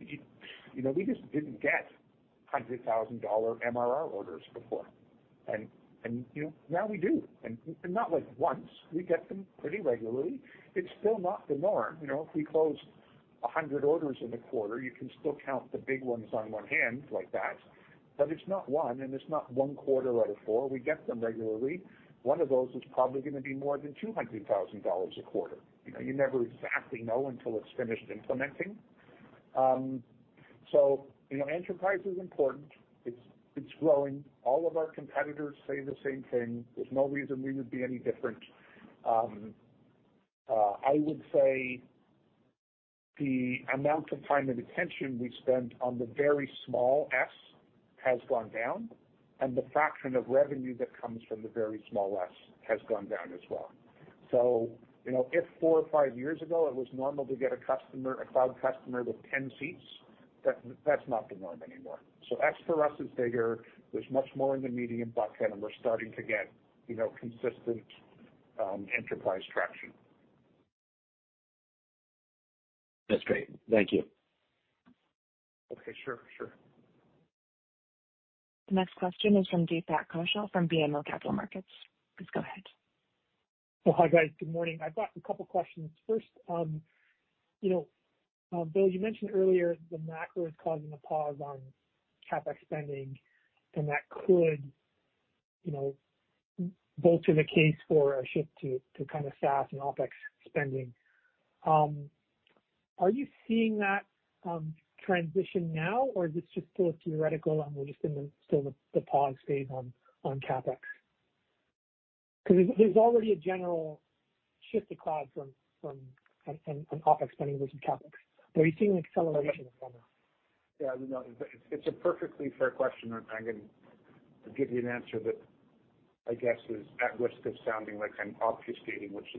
you know, we just didn't get $100,000 MRR orders before. You know, now we do. Not like once. We get them pretty regularly. It's still not the norm. You know, if we close 100 orders in a quarter, you can still count the big ones on one hand like that. It's not one, and it's not one quarter out of four. We get them regularly. One of those is probably gonna be more than $200,000 a quarter. You know, you never exactly know until it's finished implementing. You know, enterprise is important. It's growing. All of our competitors say the same thing. There's no reason we would be any different. I would say the amount of time and attention we spend on the very small S has gone down, and the fraction of revenue that comes from the very small S has gone down as well. You know, if four or five years ago it was normal to get a customer, a cloud customer with 10 seats, that's not the norm anymore. Size for us is bigger. There's much more in the medium bucket, and we're starting to get, you know, consistent enterprise traction. That's great. Thank you. Okay, sure. The next question is from Deepak Kaushal from BMO Capital Markets. Please go ahead. Well, hi, guys. Good morning. I've got a couple questions. First, you know, Bill, you mentioned earlier the macro is causing a pause on CapEx spending and that could, you know, bolster the case for a shift to kinda SaaS and OpEx spending. Are you seeing that transition now or is this just still a theoretical and we're just still in the pause phase on CapEx? 'Cause there's already a general shift to cloud from and OpEx spending versus CapEx. Are you seeing an acceleration of some of that? Yeah, you know, it's a perfectly fair question, and I can give you an answer that I guess is at risk of sounding like I'm obfuscating, which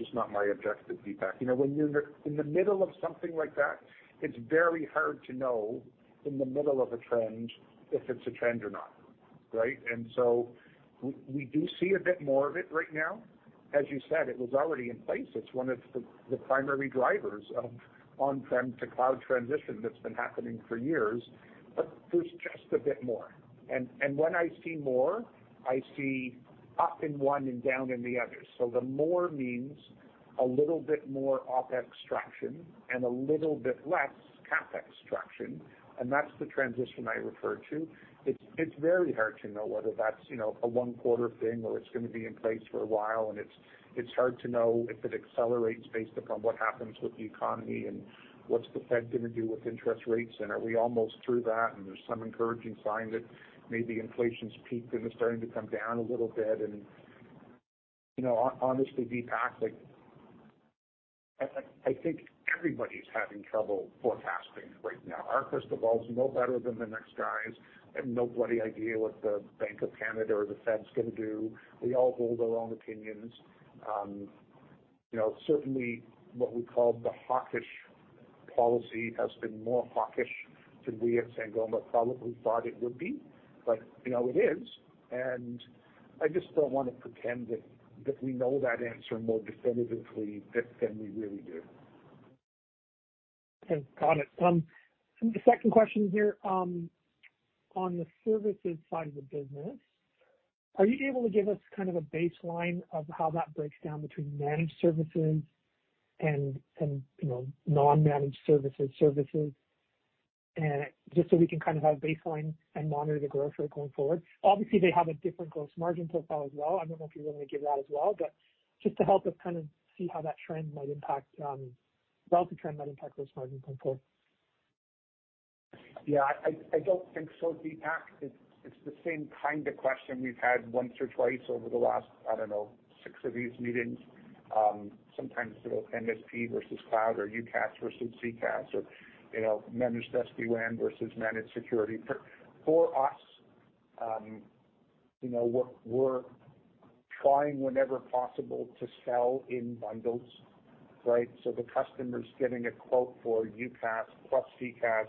is not my objective, Deepak. You know, when you're in the middle of something like that, it's very hard to know in the middle of a trend if it's a trend or not, right? We do see a bit more of it right now. As you said, it was already in place. It's one of the primary drivers of on-prem to cloud transition that's been happening for years. There's just a bit more. When I see more, I see up in one and down in the other. The more means a little bit more OpEx traction and a little bit less CapEx traction, and that's the transition I referred to. It's very hard to know whether that's, you know, a one-quarter thing or it's gonna be in place for a while. It's hard to know if it accelerates based upon what happens with the economy and what's the Fed gonna do with interest rates, and are we almost through that? There's some encouraging signs that maybe inflation's peaked and is starting to come down a little bit. You know, honestly, Deepak, like I think everybody's having trouble forecasting right now. Our crystal ball is no better than the next guy's, and no bloody idea what the Bank of Canada or the Fed's gonna do. We all hold our own opinions. You know, certainly what we call the hawkish policy has been more hawkish than we at Sangoma probably thought it would be. You know, it is, and I just don't wanna pretend that we know that answer more definitively than we really do. Okay, got it. The 2nd question here, on the services side of the business, are you able to give us kind of a baseline of how that breaks down between managed services and you know non-managed services? Just so we can kind of have a baseline and monitor the growth rate going forward. Obviously, they have a different gross margin profile as well. I don't know if you're willing to give that as well. Just to help us kind of see how the trend might impact gross margin going forward. Yeah, I don't think so, Deepak. It's the same kind of question we've had once or twice over the last, I don't know, six of these meetings. Sometimes about MSP versus cloud or UCaaS versus CCaaS, or, you know, managed SD-WAN versus managed security. For us, you know, we're trying whenever possible to sell in bundles, right? So the customer's getting a quote for UCaaS plus CCaaS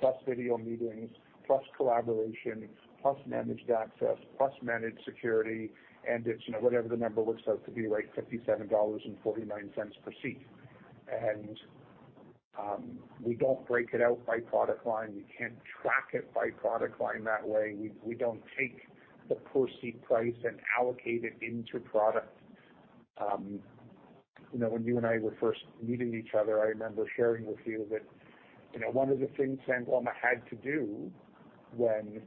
plus video meetings plus collaboration plus managed access plus managed security, and it's, you know, whatever the number works out to be, right, $57.49 per seat. We don't break it out by product line. We can't track it by product line that way. We don't take the per seat price and allocate it into products. You know, when you and I were 1st meeting each other, I remember sharing with you that, you know, one of the things Sangoma had to do when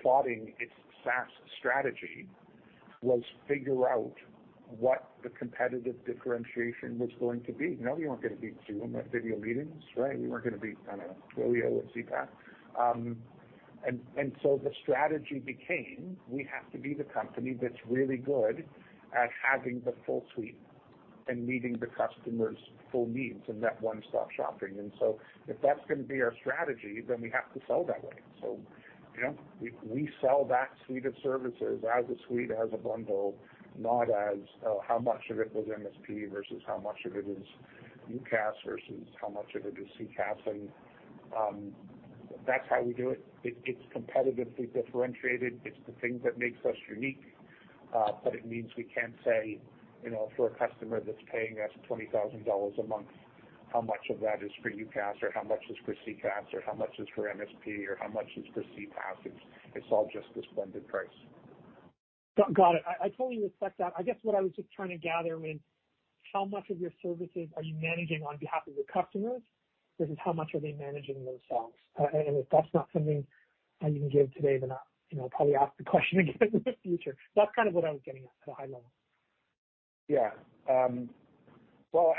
plotting its SaaS strategy was figure out what the competitive differentiation was going to be. No, we weren't gonna beat Zoom at video meetings, right? We weren't gonna beat, I don't know, Twilio at CCaaS. And so the strategy became, we have to be the company that's really good at having the full suite and meeting the customer's full needs in that one-stop shopping. If that's gonna be our strategy, then we have to sell that way. You know, we sell that suite of services as a suite, as a bundle, not as how much of it was MSP versus how much of it is UCaaS versus how much of it is CCaaS. That's how we do it. It's competitively differentiated. It's the thing that makes us unique. But it means we can't say, you know, for a customer that's paying us $20,000 a month, how much of that is for UCaaS or how much is for CCaaS or how much is for MSP or how much is for CPaaS. It's all just this blended price. Got it. I totally respect that. I guess what I was just trying to gather, I mean, how much of your services are you managing on behalf of your customers versus how much are they managing themselves? If that's not something you can give today, then I'll, you know, probably ask the question again in the future. That's kind of what I was getting at at a high level. Yeah. Well,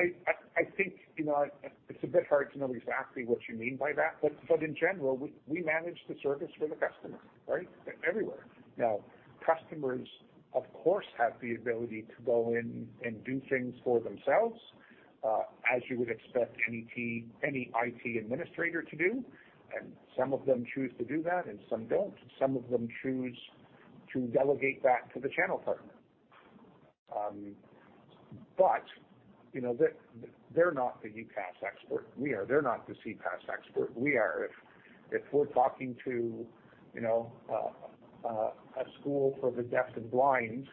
I think, you know, it's a bit hard to know exactly what you mean by that. But in general, we manage the service for the customer, right? Everywhere. Now, customers of course have the ability to go in and do things for themselves, as you would expect any IT administrator to do. Some of them choose to do that and some don't. Some of them choose to delegate that to the channel partner. But you know, they're not the UCaaS expert. We are. They're not the CCaaS expert. We are. If we're talking to, you know, a school for the deaf and blind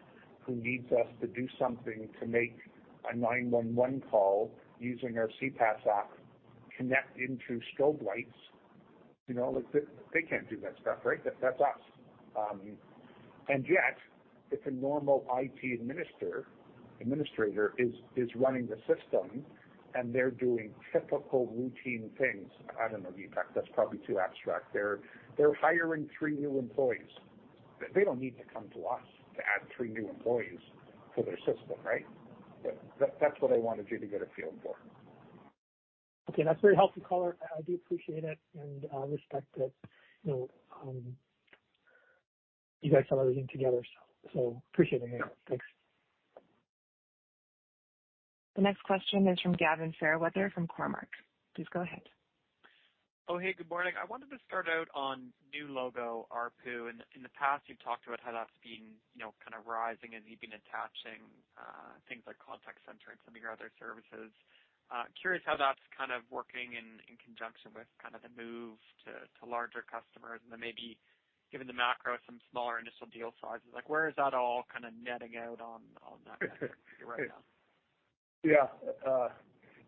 who needs us to do something to make a 911 call using our CCaaS app connect into strobe lights, you know, they can't do that stuff, right? That's us. Yet, if a normal IT administrator is running the system and they're doing typical routine things. I don't know, Deepak, that's probably too abstract. They're hiring three new employees. They don't need to come to us to add three new employees to their system, right? That's what I wanted you to get a feel for. Okay, that's very helpful color. I do appreciate it and respect that, you know, you guys sell everything together, so appreciate it. Thanks. The next question is from Gavin Fairweather from Cormark. Please go ahead. Good morning. I wanted to start out on new logo ARPU. In the past you've talked about how that's been, you know, kind of rising as you've been attaching things like contact center and some of your other services. Curious how that's kind of working in conjunction with kind of the move to larger customers and then maybe given the macro some smaller initial deal sizes. Like where is that all kinda netting out on that metric for you right now? Yeah.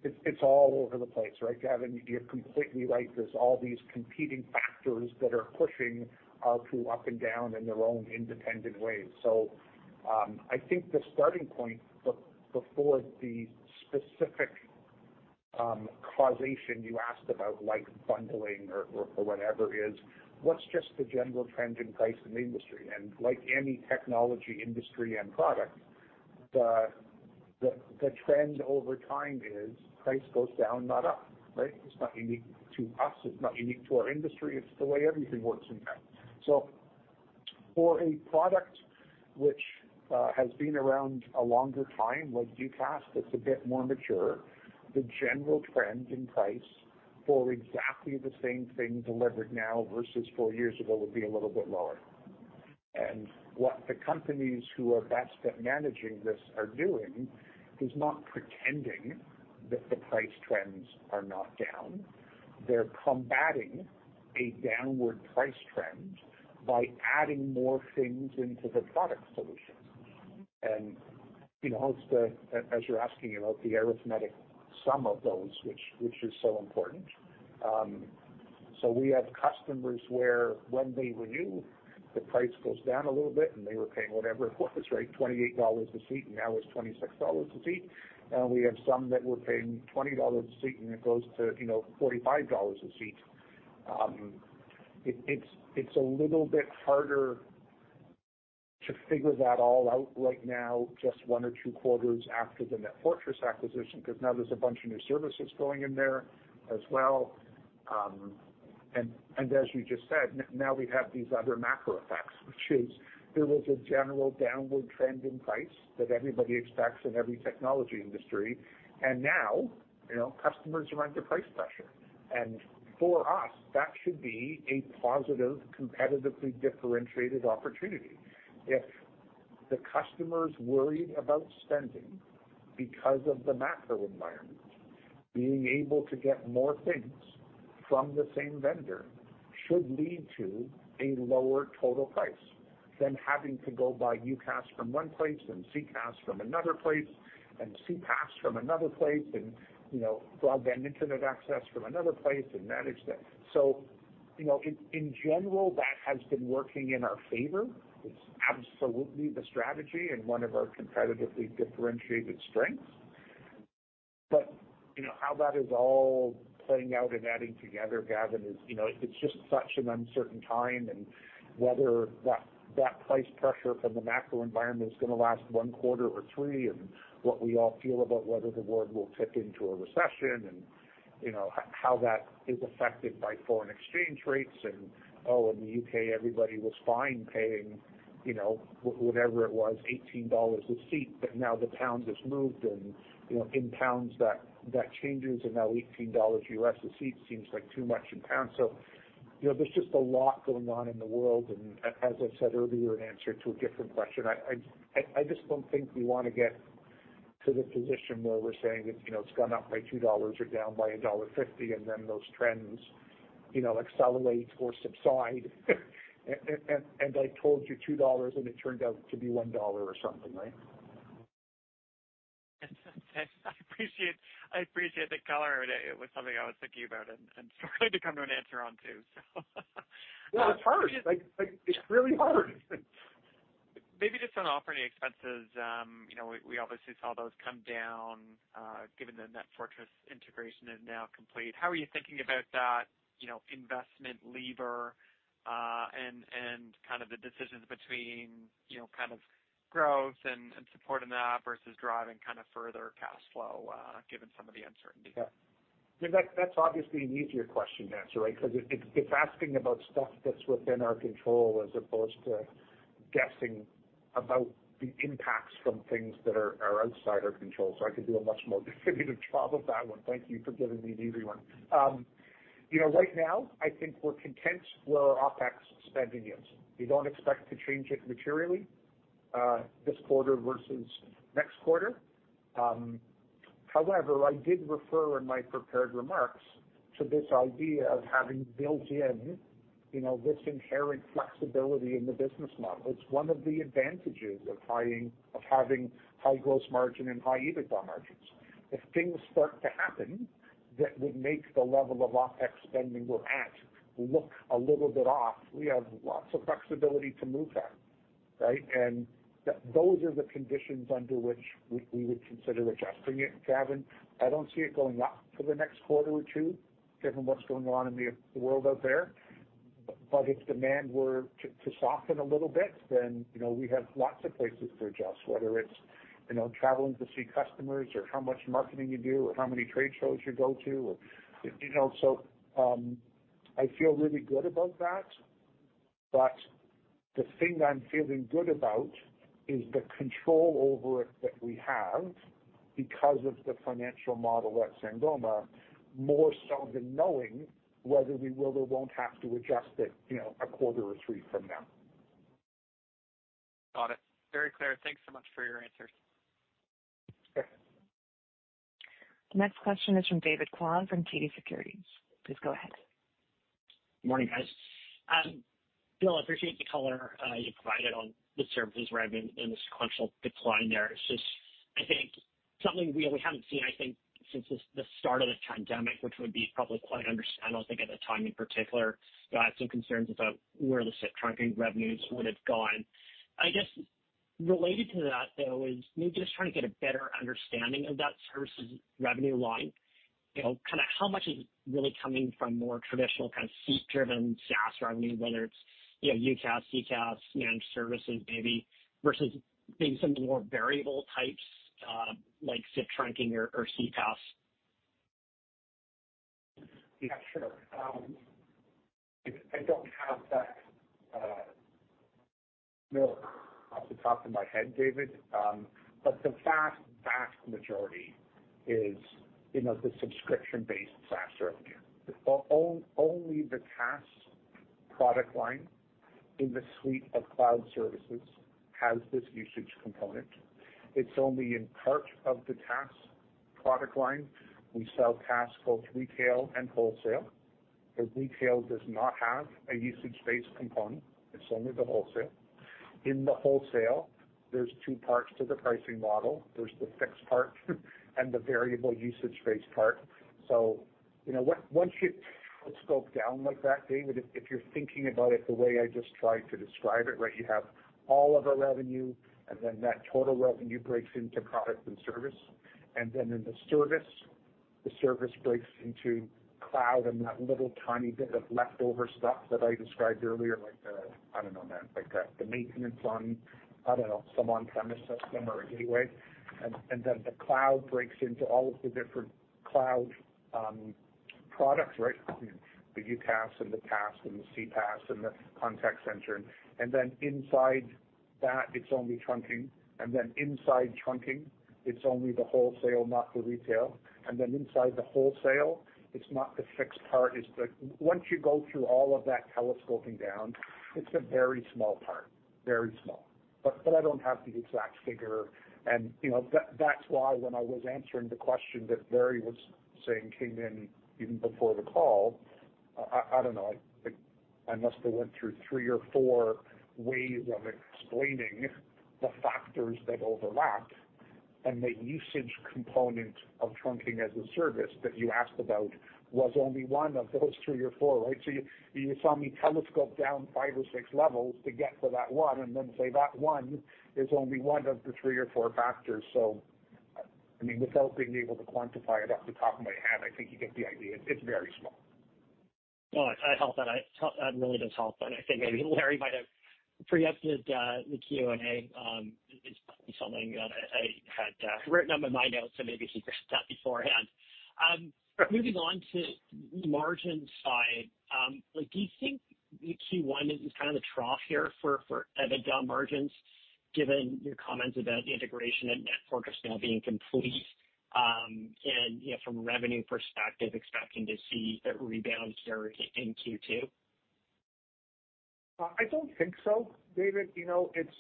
It's all over the place, right, Gavin? You're completely right. There's all these competing factors that are pushing ARPU up and down in their own independent ways. I think the starting point before the specific causation you asked about, like bundling or whatever is, what's just the general trend in price in the industry? Like any technology industry and product, the trend over time is price goes down, not up, right? It's not unique to us. It's not unique to our industry. It's the way everything works in tech. For a product which has been around a longer time, like UCaaS, that's a bit more mature, the general trends in price for exactly the same thing delivered now versus four years ago would be a little bit lower. What the companies who are best at managing this are doing is not pretending that the price trends are not down. They're combating a downward price trend by adding more things into the product solution. You know, it's the arithmetic sum of those which is so important. So we have customers where when they renew, the price goes down a little bit, and they were paying whatever it was, right, $28 a seat, and now it's $26 a seat. We have some that were paying $20 a seat, and it goes to, you know, $45 a seat. It's a little bit harder to figure that all out right now, just one or two quarters after the NetFortris acquisition, 'cause now there's a bunch of new services going in there as well. As you just said, now we have these other macro effects, which is there was a general downward trend in price that everybody expects in every technology industry. Now, you know, customers are under price pressure. For us, that should be a positive, competitively differentiated opportunity. If the customer's worried about spending because of the macro environment, being able to get more things from the same vendor should lead to a lower total price than having to go buy UCaaS from one place and CCaaS from another place and CPaaS from another place and, you know, broadband internet access from another place and manage that. You know, in general, that has been working in our favor. It's absolutely the strategy and one of our competitively differentiated strengths. You know, how that is all playing out and adding together, Gavin, is, you know, it's just such an uncertain time and whether that price pressure from the macro environment is gonna last one quarter or three, and what we all feel about whether the world will tip into a recession and, you know, how that is affected by foreign exchange rates and, oh, in the U.K. everybody was fine paying, you know, whatever it was, $18 a seat, but now the pound has moved and, you know, in pounds that changes and now $18 a seat seems like too much in pounds. you know, there's just a lot going on in the world, and as I said earlier in answer to a different question, I just don't think we wanna get to the position where we're saying it's, you know, it's gone up by $2 or down by $1.50, and then those trends, you know, accelerate or subside. I told you $2, and it turned out to be $1 or something, right? I appreciate the color. It was something I was thinking about and starting to come to an answer on too, so. Well, it's hard. Like, it's really hard. Maybe just on operating expenses, you know, we obviously saw those come down, given the NetFortris integration is now complete. How are you thinking about that, you know, investment lever, and kind of the decisions between, you know, kind of growth and supporting that versus driving kind of further cash flow, given some of the uncertainty? Yeah. That's obviously an easier question to answer, right? 'Cause it's asking about stuff that's within our control as opposed to guessing about the impacts from things that are outside our control. I could do a much more definitive job of that one. Thank you for giving me an easy one. You know, right now I think we're content where our OpEx spending is. We don't expect to change it materially, this quarter versus next quarter. However, I did refer in my prepared remarks to this idea of having built in, you know, this inherent flexibility in the business model. It's one of the advantages of having high gross margin and high EBITDA margins. If things start to happen that would make the level of OpEx spending we're at look a little bit off, we have lots of flexibility to move that, right? Those are the conditions under which we would consider adjusting it, Gavin. I don't see it going up for the next quarter or two given what's going on in the world out there. If demand were to soften a little bit, then, you know, we have lots of places to adjust, whether it's, you know, traveling to see customers or how much marketing you do or how many trade shows you go to or, you know. I feel really good about that. The thing I'm feeling good about is the control over it that we have because of the financial model at Sangoma, more so than knowing whether we will or won't have to adjust it, you know, a quarter or three from now. Got it. Very clear. Thanks so much for your answers. Sure. The next question is from David Kwan from TD Securities. Please go ahead. Morning, guys. Bill, I appreciate the color you provided on the services revenue and the sequential decline there. It's just, I think, something we haven't seen, I think, since the start of the pandemic, which would be probably quite understandable, I think, at the time in particular. You had some concerns about where the SIP trunking revenues would have gone. I guess related to that though is maybe just trying to get a better understanding of that services revenue line. You know, kinda how much is really coming from more traditional kind of seat-driven SaaS revenue, whether it's, you know, UCaaS, CCaaS, managed services maybe, versus maybe some of the more variable types, like SIP trunking or CCaaS? Yeah, sure. I don't have that mix off the top of my head, David. But the vast majority is, you know, the subscription-based SaaS revenue. Only the CaaS product line in the suite of cloud services has this usage component. It's only in part of the CaaS product line. We sell CaaS both retail and wholesale, but retail does not have a usage-based component. It's only the wholesale. In the wholesale, there's two parts to the pricing model. There's the fixed part and the variable usage-based part. You know, once you scope down like that, David, if you're thinking about it the way I just tried to describe it, right? You have all of our revenue, and then that total revenue breaks into product and service. In the service, the service breaks into cloud and that little tiny bit of leftover stuff that I described earlier, like I don't know, man. Like the maintenance on, I don't know, some on-premises system or anyway. The cloud breaks into all of the different cloud products, right? The UCaaS and the CaaS and the CCaaS and the contact center. Inside that, it's only trunking. Inside trunking, it's only the wholesale, not the retail. Inside the wholesale, it's not the fixed part. Once you go through all of that telescoping down, it's a very small part, very small. I don't have the exact figure. You know, that's why when I was answering the question that Larry was saying came in even before the call, I don't know, I must have went through three or four ways of explaining the factors that overlap. The usage component of Trunking as a Service that you asked about was only one of those three or four, right? You saw me telescope down five or six levels to get to that one and then say that one is only one of the three or four factors. I mean, without being able to quantify it off the top of my head, I think you get the idea. It's very small. No, that helps. That really does help. I think maybe Larry might have preempted the Q&A. It's something that I had written up in my notes, so maybe he addressed that beforehand. Moving on to margin side, like, do you think Q1 is kind of the trough here for EBITDA margins, given your comments about the integration at NetFortris now being complete, and, you know, from a revenue perspective, expecting to see a rebound here in Q2? I don't think so, David. You know, it's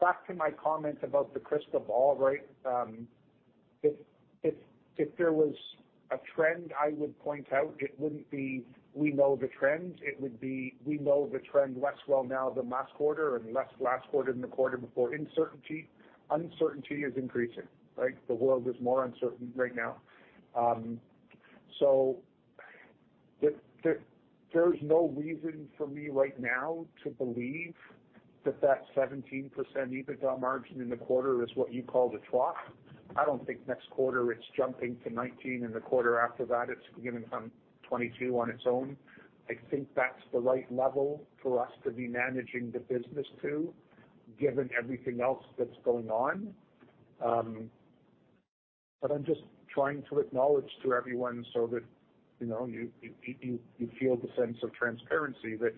back to my comment about the crystal ball, right? If there was a trend I would point out, it wouldn't be we know the trend. It would be we know the trend less well now than last quarter and less last quarter than the quarter before. Uncertainty is increasing, right? The world is more uncertain right now. So there's no reason for me right now to believe that that 17% EBITDA margin in the quarter is what you call the trough. I don't think next quarter it's jumping to 19%, and the quarter after that, it's gonna come 22% on its own. I think that's the right level for us to be managing the business to, given everything else that's going on. I'm just trying to acknowledge to everyone so that, you know, you feel the sense of transparency that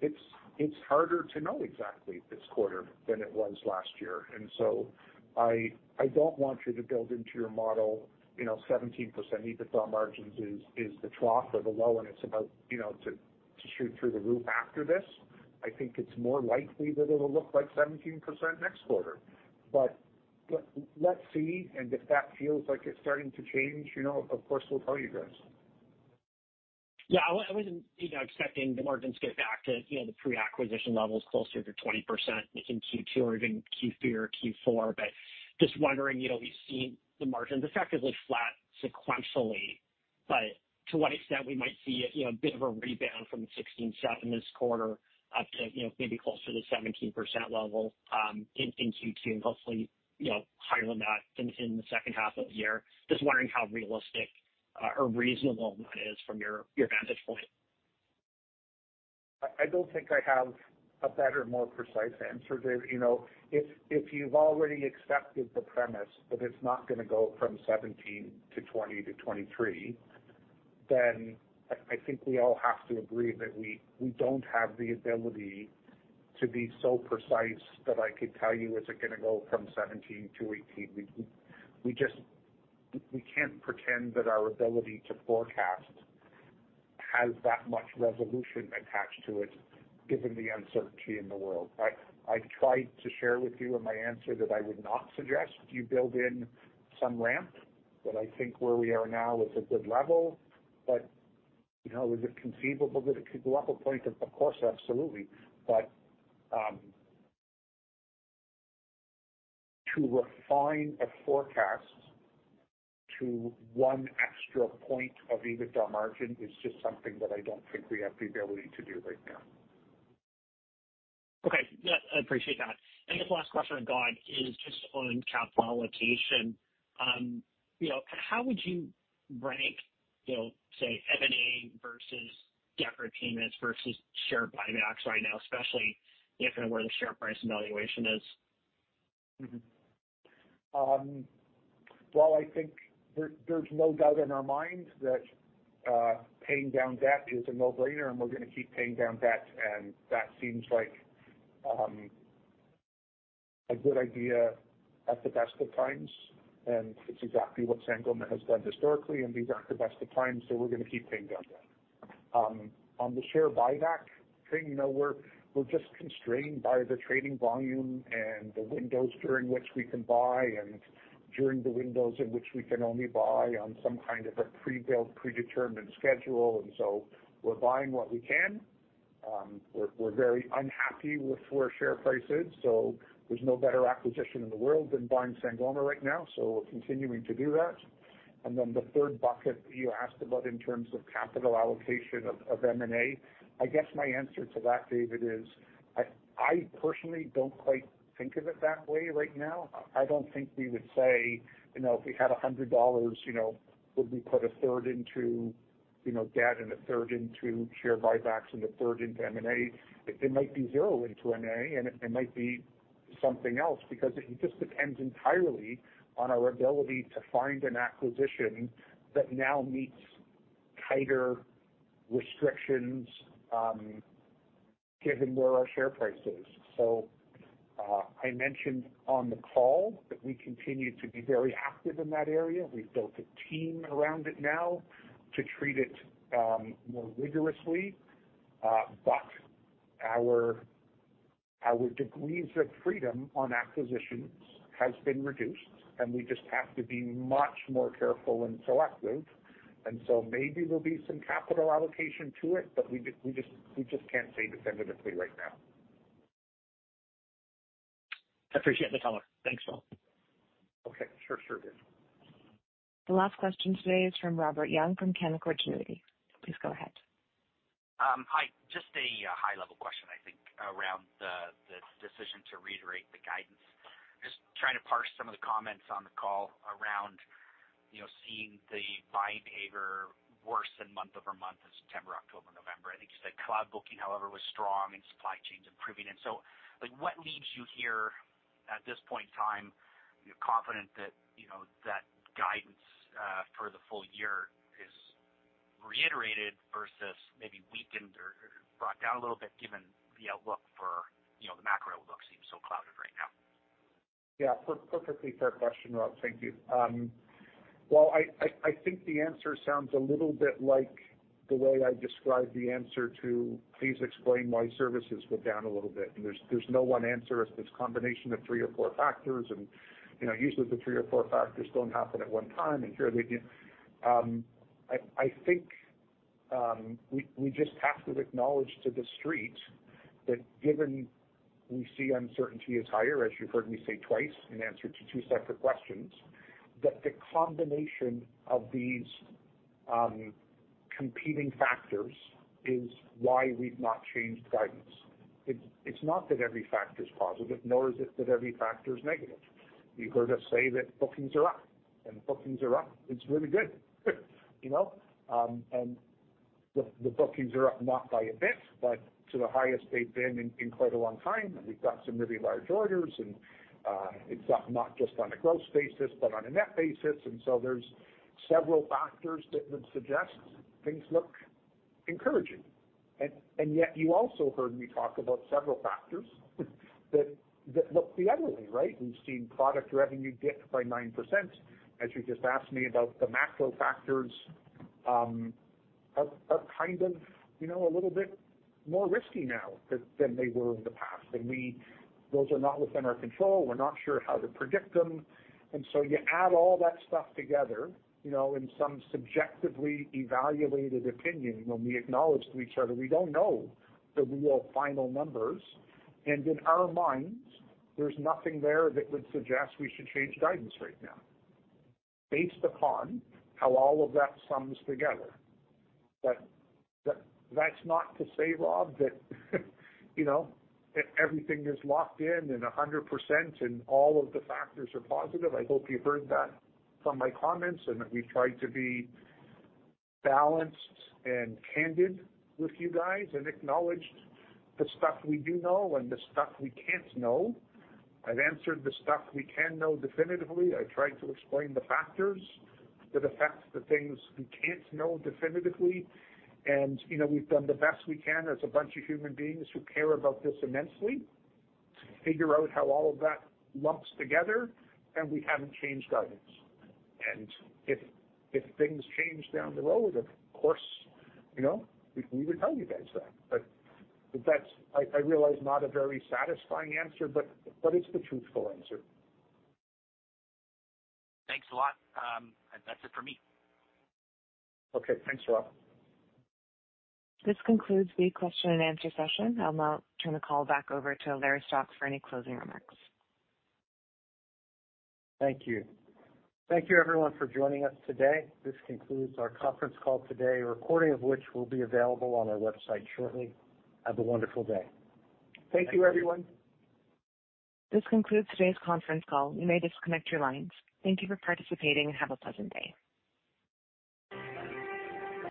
it's harder to know exactly this quarter than it was last year. I don't want you to build into your model, you know, 17% EBITDA margins is the trough or the low, and it's about, you know, to shoot through the roof after this. I think it's more likely that it'll look like 17% next quarter. Let's see, and if that feels like it's starting to change, you know, of course, we'll tell you guys. Yeah, I wasn't, you know, expecting the margins to get back to, you know, the pre-acquisition levels closer to 20% in Q2 or even Q3 or Q4. Just wondering, you know, we've seen the margins effectively flat sequentially, but to what extent we might see a, you know, a bit of a rebound from the 16.7% this quarter up to, you know, maybe closer to the 17% level in Q2, and hopefully, you know, higher than that in the 2nd half of the year. Just wondering how realistic or reasonable that is from your vantage point. I don't think I have a better, more precise answer, David. You know, if you've already accepted the premise that it's not gonna go from 17% to 20%-23%, then I think we all have to agree that we don't have the ability to be so precise that I could tell you is it gonna go from 17%-18%. We just can't pretend that our ability to forecast has that much resolution attached to it, given the uncertainty in the world, right? I tried to share with you in my answer that I would not suggest you build in some ramp, that I think where we are now is a good level. You know, is it conceivable that it could go up a point? Of course, absolutely. To refine a forecast to 1 extra point of EBITDA margin is just something that I don't think we have the ability to do right now. Okay. Yeah, I appreciate that. I guess the last question I've got is just on capital allocation. You know, how would you rank, you know, say, M&A versus debt repayments versus share buybacks right now, especially given where the share price and valuation is? Well, I think there's no doubt in our minds that paying down debt is a no-brainer, and we're gonna keep paying down debt, and that seems like a good idea at the best of times, and it's exactly what Sangoma has done historically, and these aren't the best of times, so we're gonna keep paying down debt. On the share buyback thing, you know, we're just constrained by the trading volume and the windows during which we can buy and during the windows in which we can only buy on some kind of a pre-built, predetermined schedule. So we're buying what we can. We're very unhappy with where share price is, so there's no better acquisition in the world than buying Sangoma right now, so we're continuing to do that. Then the 3rd bucket you asked about in terms of capital allocation of M&A, I guess my answer to that, David, is I personally don't quite think of it that way right now. I don't think we would say, you know, if we had $100, you know, would we put a 3rd into, you know, debt and a 3rd into share buybacks and a 3rd into M&A? It might be zero into M&A, and it might be something else because it just depends entirely on our ability to find an acquisition that now meets tighter restrictions, given where our share price is. I mentioned on the call that we continue to be very active in that area. We've built a team around it now to treat it more rigorously. Our degrees of freedom on acquisitions has been reduced, and we just have to be much more careful and selective. Maybe there'll be some capital allocation to it, but we just can't say definitively right now. I appreciate the comment. Thanks, Bill. Okay. Sure, sure, David. The last question today is from Robert Young from Canaccord Genuity. Please go ahead. Hi. Just a high-level question, I think, around the decision to reiterate the guidance. Just trying to parse some of the comments on the call around, you know, seeing the buying behavior worse than month-over-month in September, October, November. I think you said cloud booking, however, was strong and supply chains improving. Like, what leads you here at this point in time, you're confident that, you know, that guidance for the full year is reiterated versus maybe weakened or brought down a little bit given the outlook for, you know, the macro outlook seems so clouded right now? Yeah. Perfectly fair question, Rob. Thank you. I think the answer sounds a little bit like the way I described the answer to please explain why services were down a little bit. There's no one answer. It's this combination of three or four factors and, you know, usually the three or four factors don't happen at one time, and here they do. I think we just have to acknowledge to The Street that given we see uncertainty as higher, as you've heard me say twice in answer to two separate questions, that the combination of these competing factors is why we've not changed guidance. It's not that every factor's positive, nor is it that every factor is negative. You heard us say that bookings are up, and bookings are up. It's really good. You know, the bookings are up not by a bit, but to the highest they've been in quite a long time. We've got some really large orders and it's up not just on a gross basis but on a net basis. There's several factors that would suggest things look encouraging. Yet you also heard me talk about several factors that look the other way, right? We've seen product revenue dip by 9%. As you just asked me about the macro factors, are kind of, you know, a little bit more risky now than they were in the past. Those are not within our control. We're not sure how to predict them. You add all that stuff together, you know, in some subjectively evaluated opinion, when we acknowledge to each other, we don't know the real final numbers. In our minds, there's nothing there that would suggest we should change guidance right now based upon how all of that sums together. That's not to say, Rob, that, you know, everything is locked in and 100% and all of the factors are positive. I hope you've heard that from my comments and that we've tried to be balanced and candid with you guys and acknowledged the stuff we do know and the stuff we can't know. I've answered the stuff we can know definitively. I tried to explain the factors that affect the things we can't know definitively. You know, we've done the best we can as a bunch of human beings who care about this immensely to figure out how all of that lumps together, and we haven't changed guidance. if things change down the road, of course, you know, we would tell you guys that. that's, I realize, not a very satisfying answer, but it's the truthful answer. Thanks a lot. That's it for me. Okay. Thanks, Rob. This concludes the question and answer session. I'll now turn the call back over to Larry Stock for any closing remarks. Thank you. Thank you everyone for joining us today. This concludes our conference call today, a recording of which will be available on our website shortly. Have a wonderful day. Thank you, everyone. This concludes today's conference call. You may disconnect your lines. Thank you for participating and have a pleasant day.